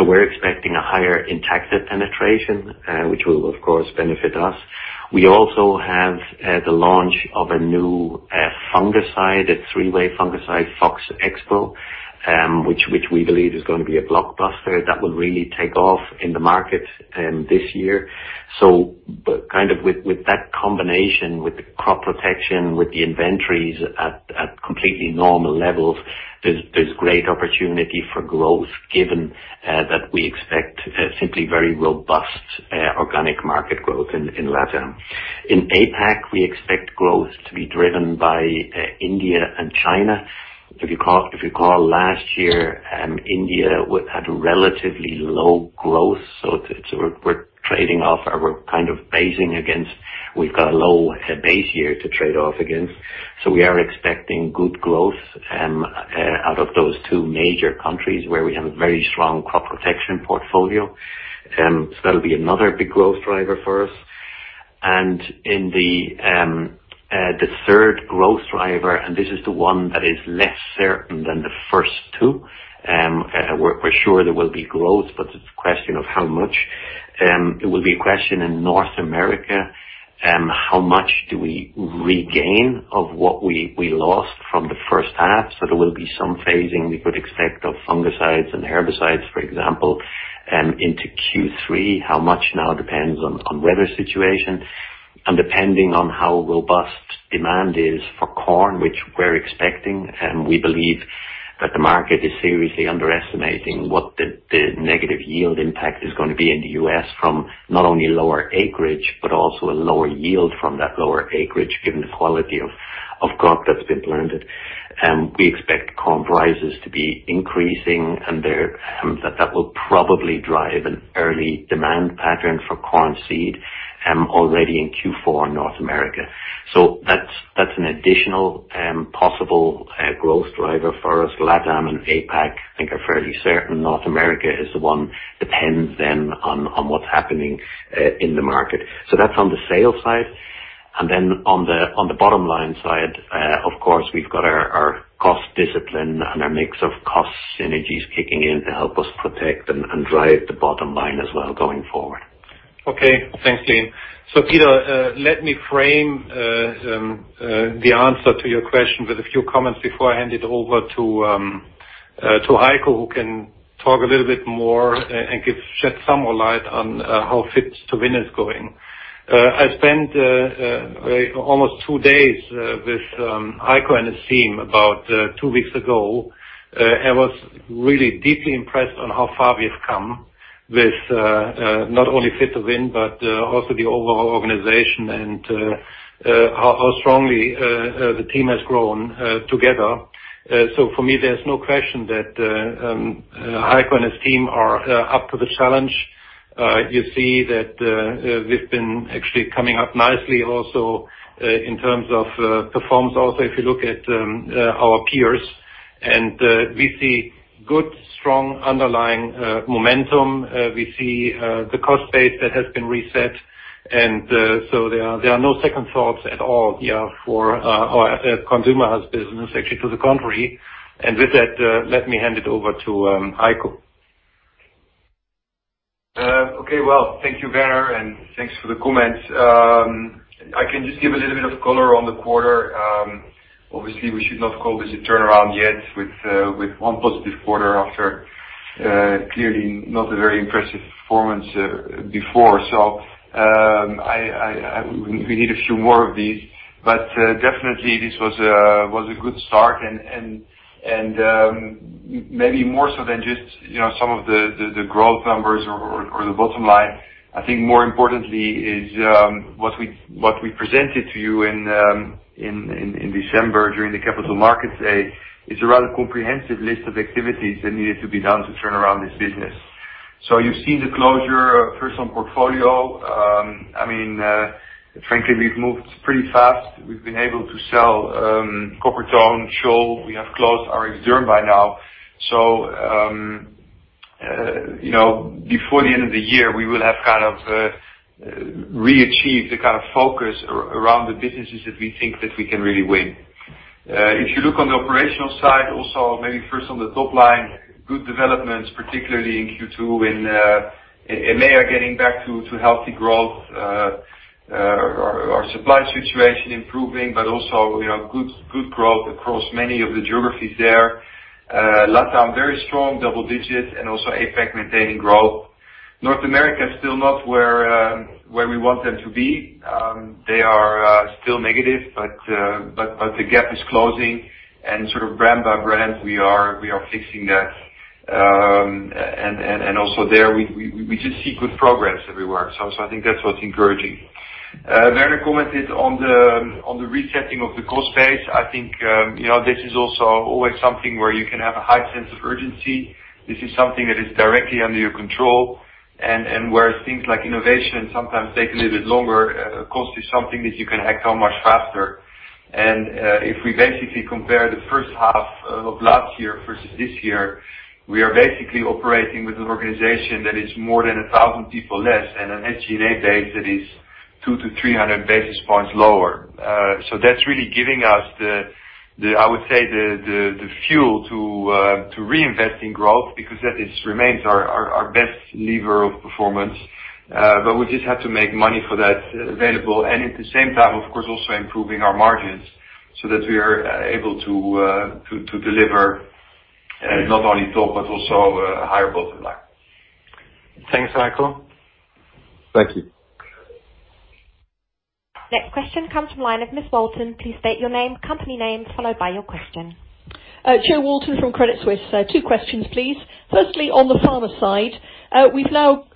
We're expecting a higher Intacta penetration, which will, of course, benefit us. We also have the launch of a new fungicide, a three-way fungicide, Fox Xpro, which we believe is going to be a blockbuster that will really take off in the market this year. With that combination, with the crop protection, with the inventories at completely normal levels, there's great opportunity for growth given that we expect simply very robust organic market growth in LATAM. In APAC, we expect growth to be driven by India and China. If you call last year, India had relatively low growth, so we're trading off, or we're kind of basing against, we've got a low base year to trade off against. We are expecting good growth out of those two major countries where we have a very strong crop protection portfolio. That will be another big growth driver for us. In the third growth driver, and this is the one that is less certain than the first two, we're sure there will be growth, but it's a question of how much. It will be a question in North America, how much do we regain of what we lost from the first half? There will be some phasing we could expect of fungicides and herbicides, for example into Q3. How much now depends on weather situation. Depending on how robust demand is for corn, which we're expecting, we believe that the market is seriously underestimating what the negative yield impact is going to be in the U.S. from not only lower acreage, but also a lower yield from that lower acreage, given the quality of crop that's been planted. We expect corn prices to be increasing. That will probably drive an early demand pattern for corn seed already in Q4 North America. That's an additional possible growth driver for us. LATAM and APAC I think are fairly certain. North America is the one depends on what's happening in the market. That's on the sales side. On the bottom line side, of course, we've got our cost discipline and our mix of cost synergies kicking in to help us protect and drive the bottom line as well going forward. Okay, thanks Liam. Peter, let me frame the answer to your question with a few comments before I hand it over to Heiko, who can talk a little bit more and shed some more light on how Fit to Win is going. I spent almost two days with Heiko and his team about two weeks ago. I was really deeply impressed on how far we have come with not only Fit to Win, but also the overall organization and how strongly the team has grown together. For me, there's no question that Heiko and his team are up to the challenge. You see that we've been actually coming up nicely also in terms of performance also, if you look at our peers, and we see good, strong underlying momentum. We see the cost base that has been reset. There are no second thoughts at all for our Consumer business, actually to the contrary. With that, let me hand it over to Heiko. Well, thank you, Werner, and thanks for the comments. I can just give a little bit of color on the quarter. We should not call this a turnaround yet with one positive quarter after clearly not a very impressive performance before. We need a few more of these, but definitely this was a good start and maybe more so than just some of the growth numbers or the bottom line, I think more importantly is what we presented to you in December during the Capital Markets Day is a rather comprehensive list of activities that needed to be done to turn around this business. You've seen the closure of personal portfolio. Frankly, we've moved pretty fast. We've been able to sell Coppertone, Dr. Scholl's. We have closed our Essure by now. Before the end of the year, we will have kind of re-achieved the kind of focus around the businesses that we think that we can really win. If you look on the operational side, also, maybe first on the top line, good developments, particularly in Q2 in EMEA getting back to healthy growth. Our supply situation improving, but also, good growth across many of the geographies there. LATAM, very strong double digits and also APAC maintaining growth. North America is still not where we want them to be. They are still negative, but the gap is closing and sort of brand by brand, we are fixing that. Also there, we just see good progress everywhere. I think that's what's encouraging. Werner commented on the resetting of the cost base. I think, this is also always something where you can have a high sense of urgency. This is something that is directly under your control and where things like innovation sometimes take a little bit longer, cost is something that you can act on much faster. If we basically compare the first half of last year versus this year, we are basically operating with an organization that is more than 1,000 people less, and an SG&A base that is two to 300 basis points lower. That's really giving us the, I would say the fuel to reinvest in growth because that remains our best lever of performance. We just have to make money for that available. At the same time, of course, also improving our margins so that we are able to deliver not only top, but also a higher bottom line. Thanks, Heiko. Thank you. Next question comes from line of Ms. Walton. Please state your name, company name, followed by your question. Jo Walton from Credit Suisse. Two questions, please. Firstly, on the pharma side. We've now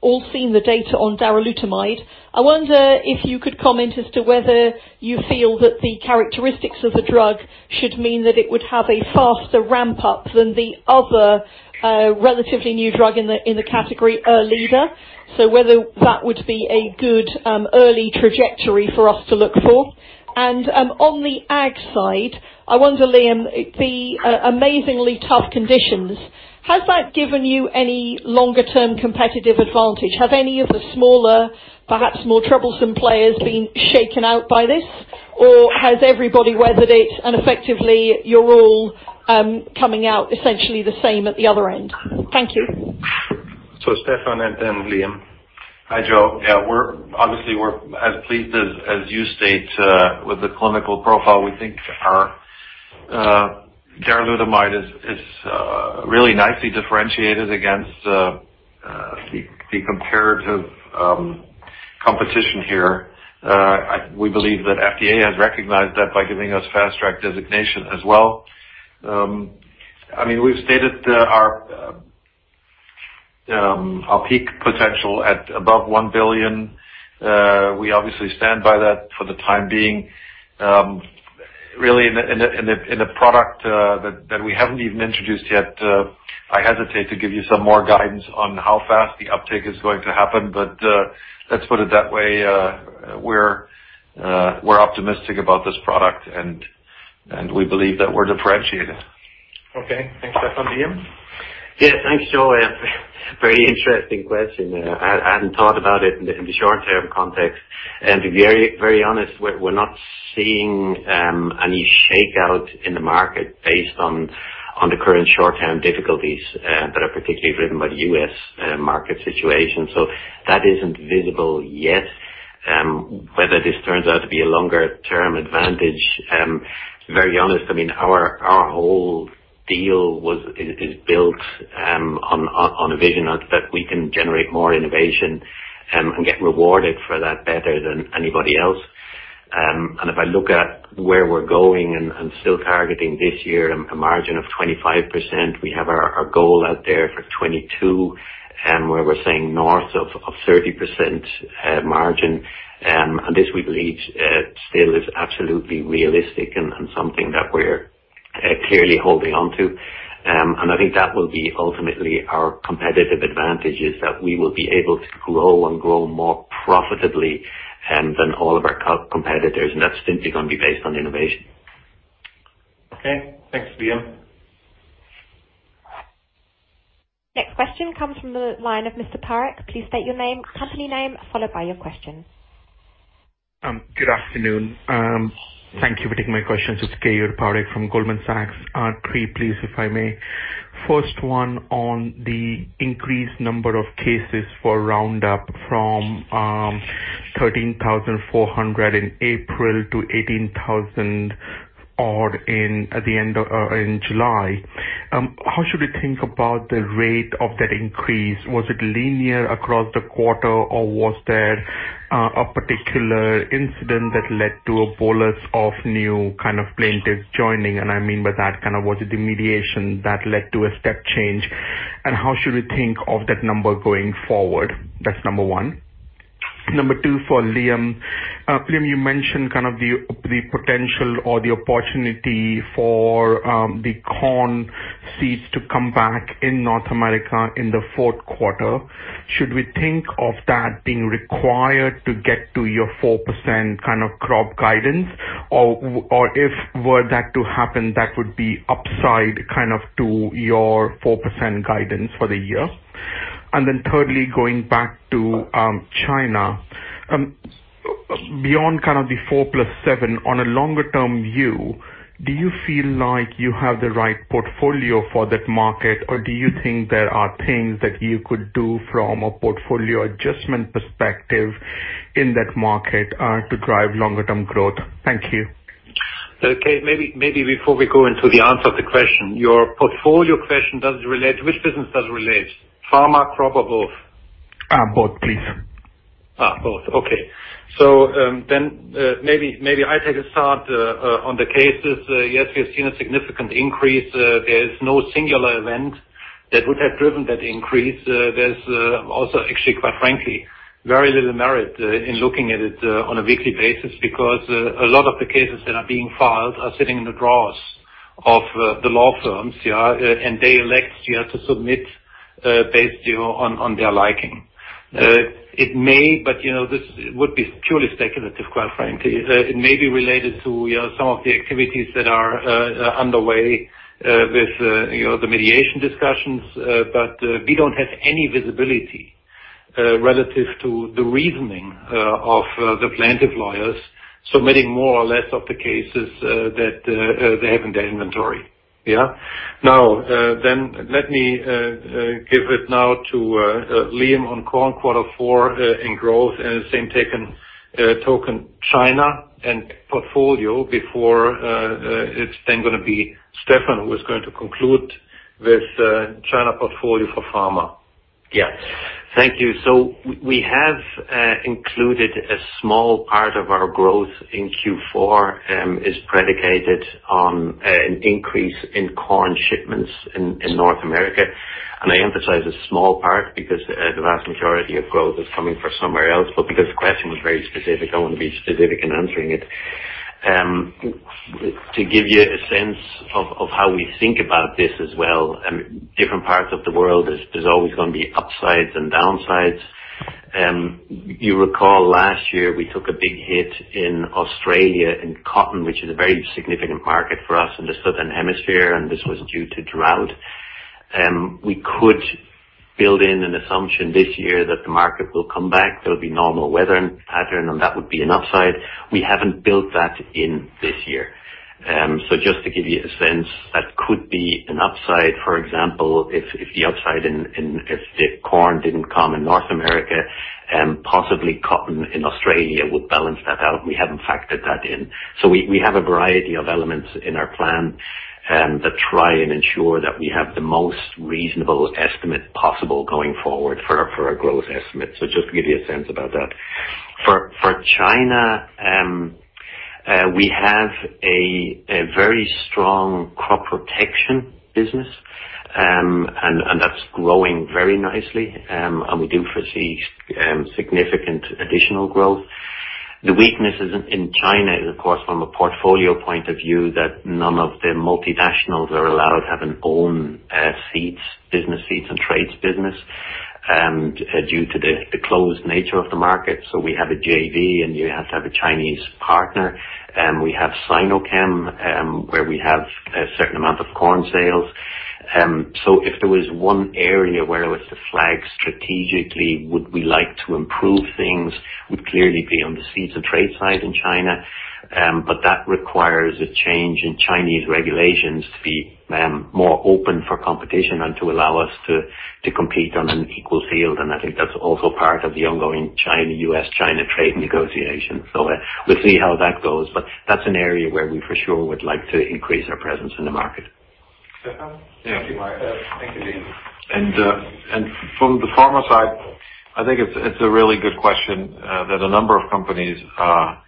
all seen the data on darolutamide. I wonder if you could comment as to whether you feel that the characteristics of the drug should mean that it would have a faster ramp-up than the other relatively new drug in the category, ERLEADA. Whether that would be a good early trajectory for us to look for. On the ag side, I wonder, Liam, the amazingly tough conditions, has that given you any longer term competitive advantage? Have any of the smaller, perhaps more troublesome players been shaken out by this? Has everybody weathered it and effectively you're all coming out essentially the same at the other end? Thank you. Stefan and then Liam. Hi, Jo. Yeah, obviously, we're as pleased as you state, with the clinical profile. We think our darolutamide is really nicely differentiated against the comparative competition here. We believe that FDA has recognized that by giving us fast track designation as well. We've stated our peak potential at above 1 billion. We obviously stand by that for the time being. Really in a product that we haven't even introduced yet, I hesitate to give you some more guidance on how fast the uptake is going to happen. Let's put it that way, we're optimistic about this product, and we believe that we're differentiated. Okay. Thanks, Stefan. Liam? Yeah. Thanks, Jo. Very interesting question. I hadn't thought about it in the short term context. To be very honest, we're not seeing any shakeout in the market based on the current short-term difficulties that are particularly driven by the U.S. market situation. That isn't visible yet. Whether this turns out to be a longer-term advantage, very honest, our whole deal is built on a vision that we can generate more innovation and get rewarded for that better than anybody else. If I look at where we're going and still targeting this year a margin of 25%, we have our goal out there for 2022, where we're saying north of 30% margin. This we believe still is absolutely realistic and something that we're clearly holding on to. I think that will be ultimately our competitive advantage, is that we will be able to grow and grow more profitably than all of our competitors, and that's simply going to be based on innovation. Okay. Thanks, Liam. Next question comes from the line of Mr. Parekh. Please state your name, company name, followed by your question. Good afternoon. Thank you for taking my questions. It's Keyur Parekh from Goldman Sachs. Three please, if I may. First one on the increased number of cases for Roundup from 13,400 in April to 18,000 odd in July. How should we think about the rate of that increase? Was it linear across the quarter, or was there a particular incident that led to a bolus of new plaintiffs joining? I mean by that, was it the mediation that led to a step change? How should we think of that number going forward? That's number one. Number two for Liam. Liam, you mentioned the potential or the opportunity for the corn seeds to come back in North America in the fourth quarter. Should we think of that being required to get to your 4% crop guidance? If were that to happen, that would be upside to your 4% guidance for the year? Thirdly, going back to China. Beyond the 'four plus seven', on a longer-term view, do you feel like you have the right portfolio for that market, or do you think there are things that you could do from a portfolio adjustment perspective in that market to drive longer-term growth? Thank you. Okay, maybe before we go into the answer of the question, your portfolio question, which business does it relate? Pharma, crop, or both? Both, please. Both. Okay. Maybe I take a start on the cases. Yes, we have seen a significant increase. There is no singular event that would have driven that increase. There's also actually, quite frankly, very little merit in looking at it on a weekly basis, because a lot of the cases that are being filed are sitting in the drawers of the law firms. Yeah. They elect year to submit, based on their liking. This would be purely speculative, quite frankly. It may be related to some of the activities that are underway with the mediation discussions. We don't have any visibility relative to the reasoning of the plaintiff lawyers submitting more or less of the cases that they have in their inventory. Yeah. Now, let me give it now to Liam on corn quarter four in growth, in the same token, China and portfolio before it's then going to be Stefan, who is going to conclude with China portfolio for pharma. Yeah. Thank you. We have included a small part of our growth in Q4 is predicated on an increase in corn shipments in North America. I emphasize a small part because the vast majority of growth is coming from somewhere else. Because the question was very specific, I want to be specific in answering it. To give you a sense of how we think about this as well, different parts of the world, there's always going to be upsides and downsides. You recall last year we took a big hit in Australia in cotton, which is a very significant market for us in the southern hemisphere, and this was due to drought. We could build in an assumption this year that the market will come back, there'll be normal weather pattern, and that would be an upside. We haven't built that in this year. Just to give you a sense, that could be an upside. For example, if the upside, if the corn didn't come in North America, possibly cotton in Australia would balance that out. We haven't factored that in. We have a variety of elements in our plan that try and ensure that we have the most reasonable estimate possible going forward for a growth estimate. Just to give you a sense about that. For China, we have a very strong crop protection business, and that's growing very nicely. We do foresee significant additional growth. The weaknesses in China is, of course, from a portfolio point of view, that none of the multinationals are allowed to have an own seeds business, seeds and traits business, due to the closed nature of the market. We have a JV, and you have to have a Chinese partner. We have Sinochem, where we have a certain amount of corn sales. If there was one area where I was to flag strategically, would we like to improve things, would clearly be on the seeds and trade side in China. That requires a change in Chinese regulations to be more open for competition and to allow us to compete on an equal field. I think that's also part of the ongoing China, U.S.-China trade negotiation. We'll see how that goes. That's an area where we for sure would like to increase our presence in the market. Stefan? Yeah. Thank you, Liam. From the Pharma side, I think it's a really good question that a number of companies are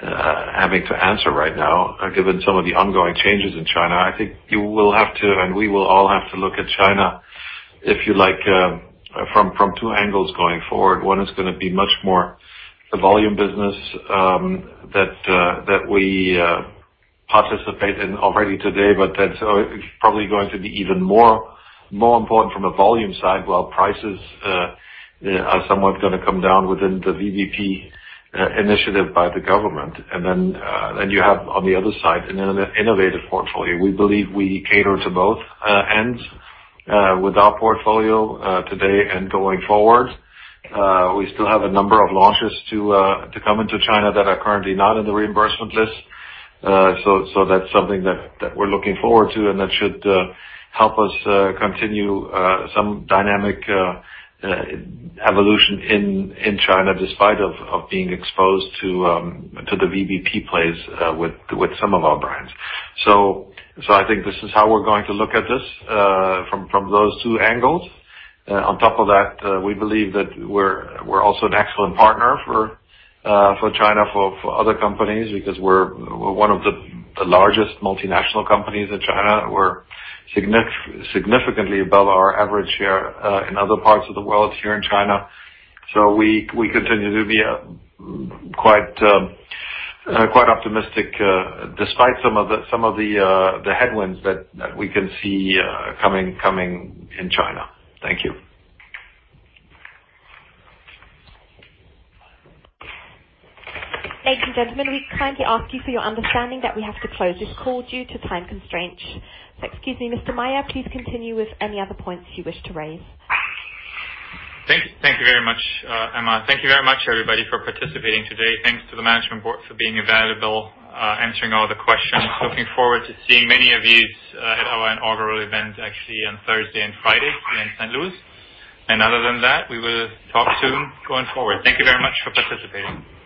having to answer right now, given some of the ongoing changes in China. I think you will have to, and we will all have to look at China, if you like, from two angles going forward. One is going to be much more a volume business that we participate in already today, but that's probably going to be even more important from a volume side, while prices are somewhat going to come down within the VBP initiative by the government. You have on the other side an innovative portfolio. We believe we cater to both ends with our portfolio today and going forward. We still have a number of launches to come into China that are currently not in the reimbursement list. That's something that we're looking forward to and that should help us continue some dynamic evolution in China, despite of being exposed to the VBP plays with some of our brands. I think this is how we're going to look at this from those two angles. On top of that, we believe that we're also an excellent partner for China, for other companies, because we're one of the largest multinational companies in China. We're significantly above our average share in other parts of the world here in China. We continue to be quite optimistic despite some of the headwinds that we can see coming in China. Thank you. Thank you, gentlemen. We kindly ask you for your understanding that we have to close this call due to time constraints. Excuse me, Mr. Maier, please continue with any other points you wish to raise. Thank you very much, Emma. Thank you very much, everybody, for participating today. Thanks to the management board for being available, answering all the questions. Looking forward to seeing many of you at our inaugural event actually on Thursday and Friday in St. Louis. Other than that, we will talk soon going forward. Thank you very much for participating.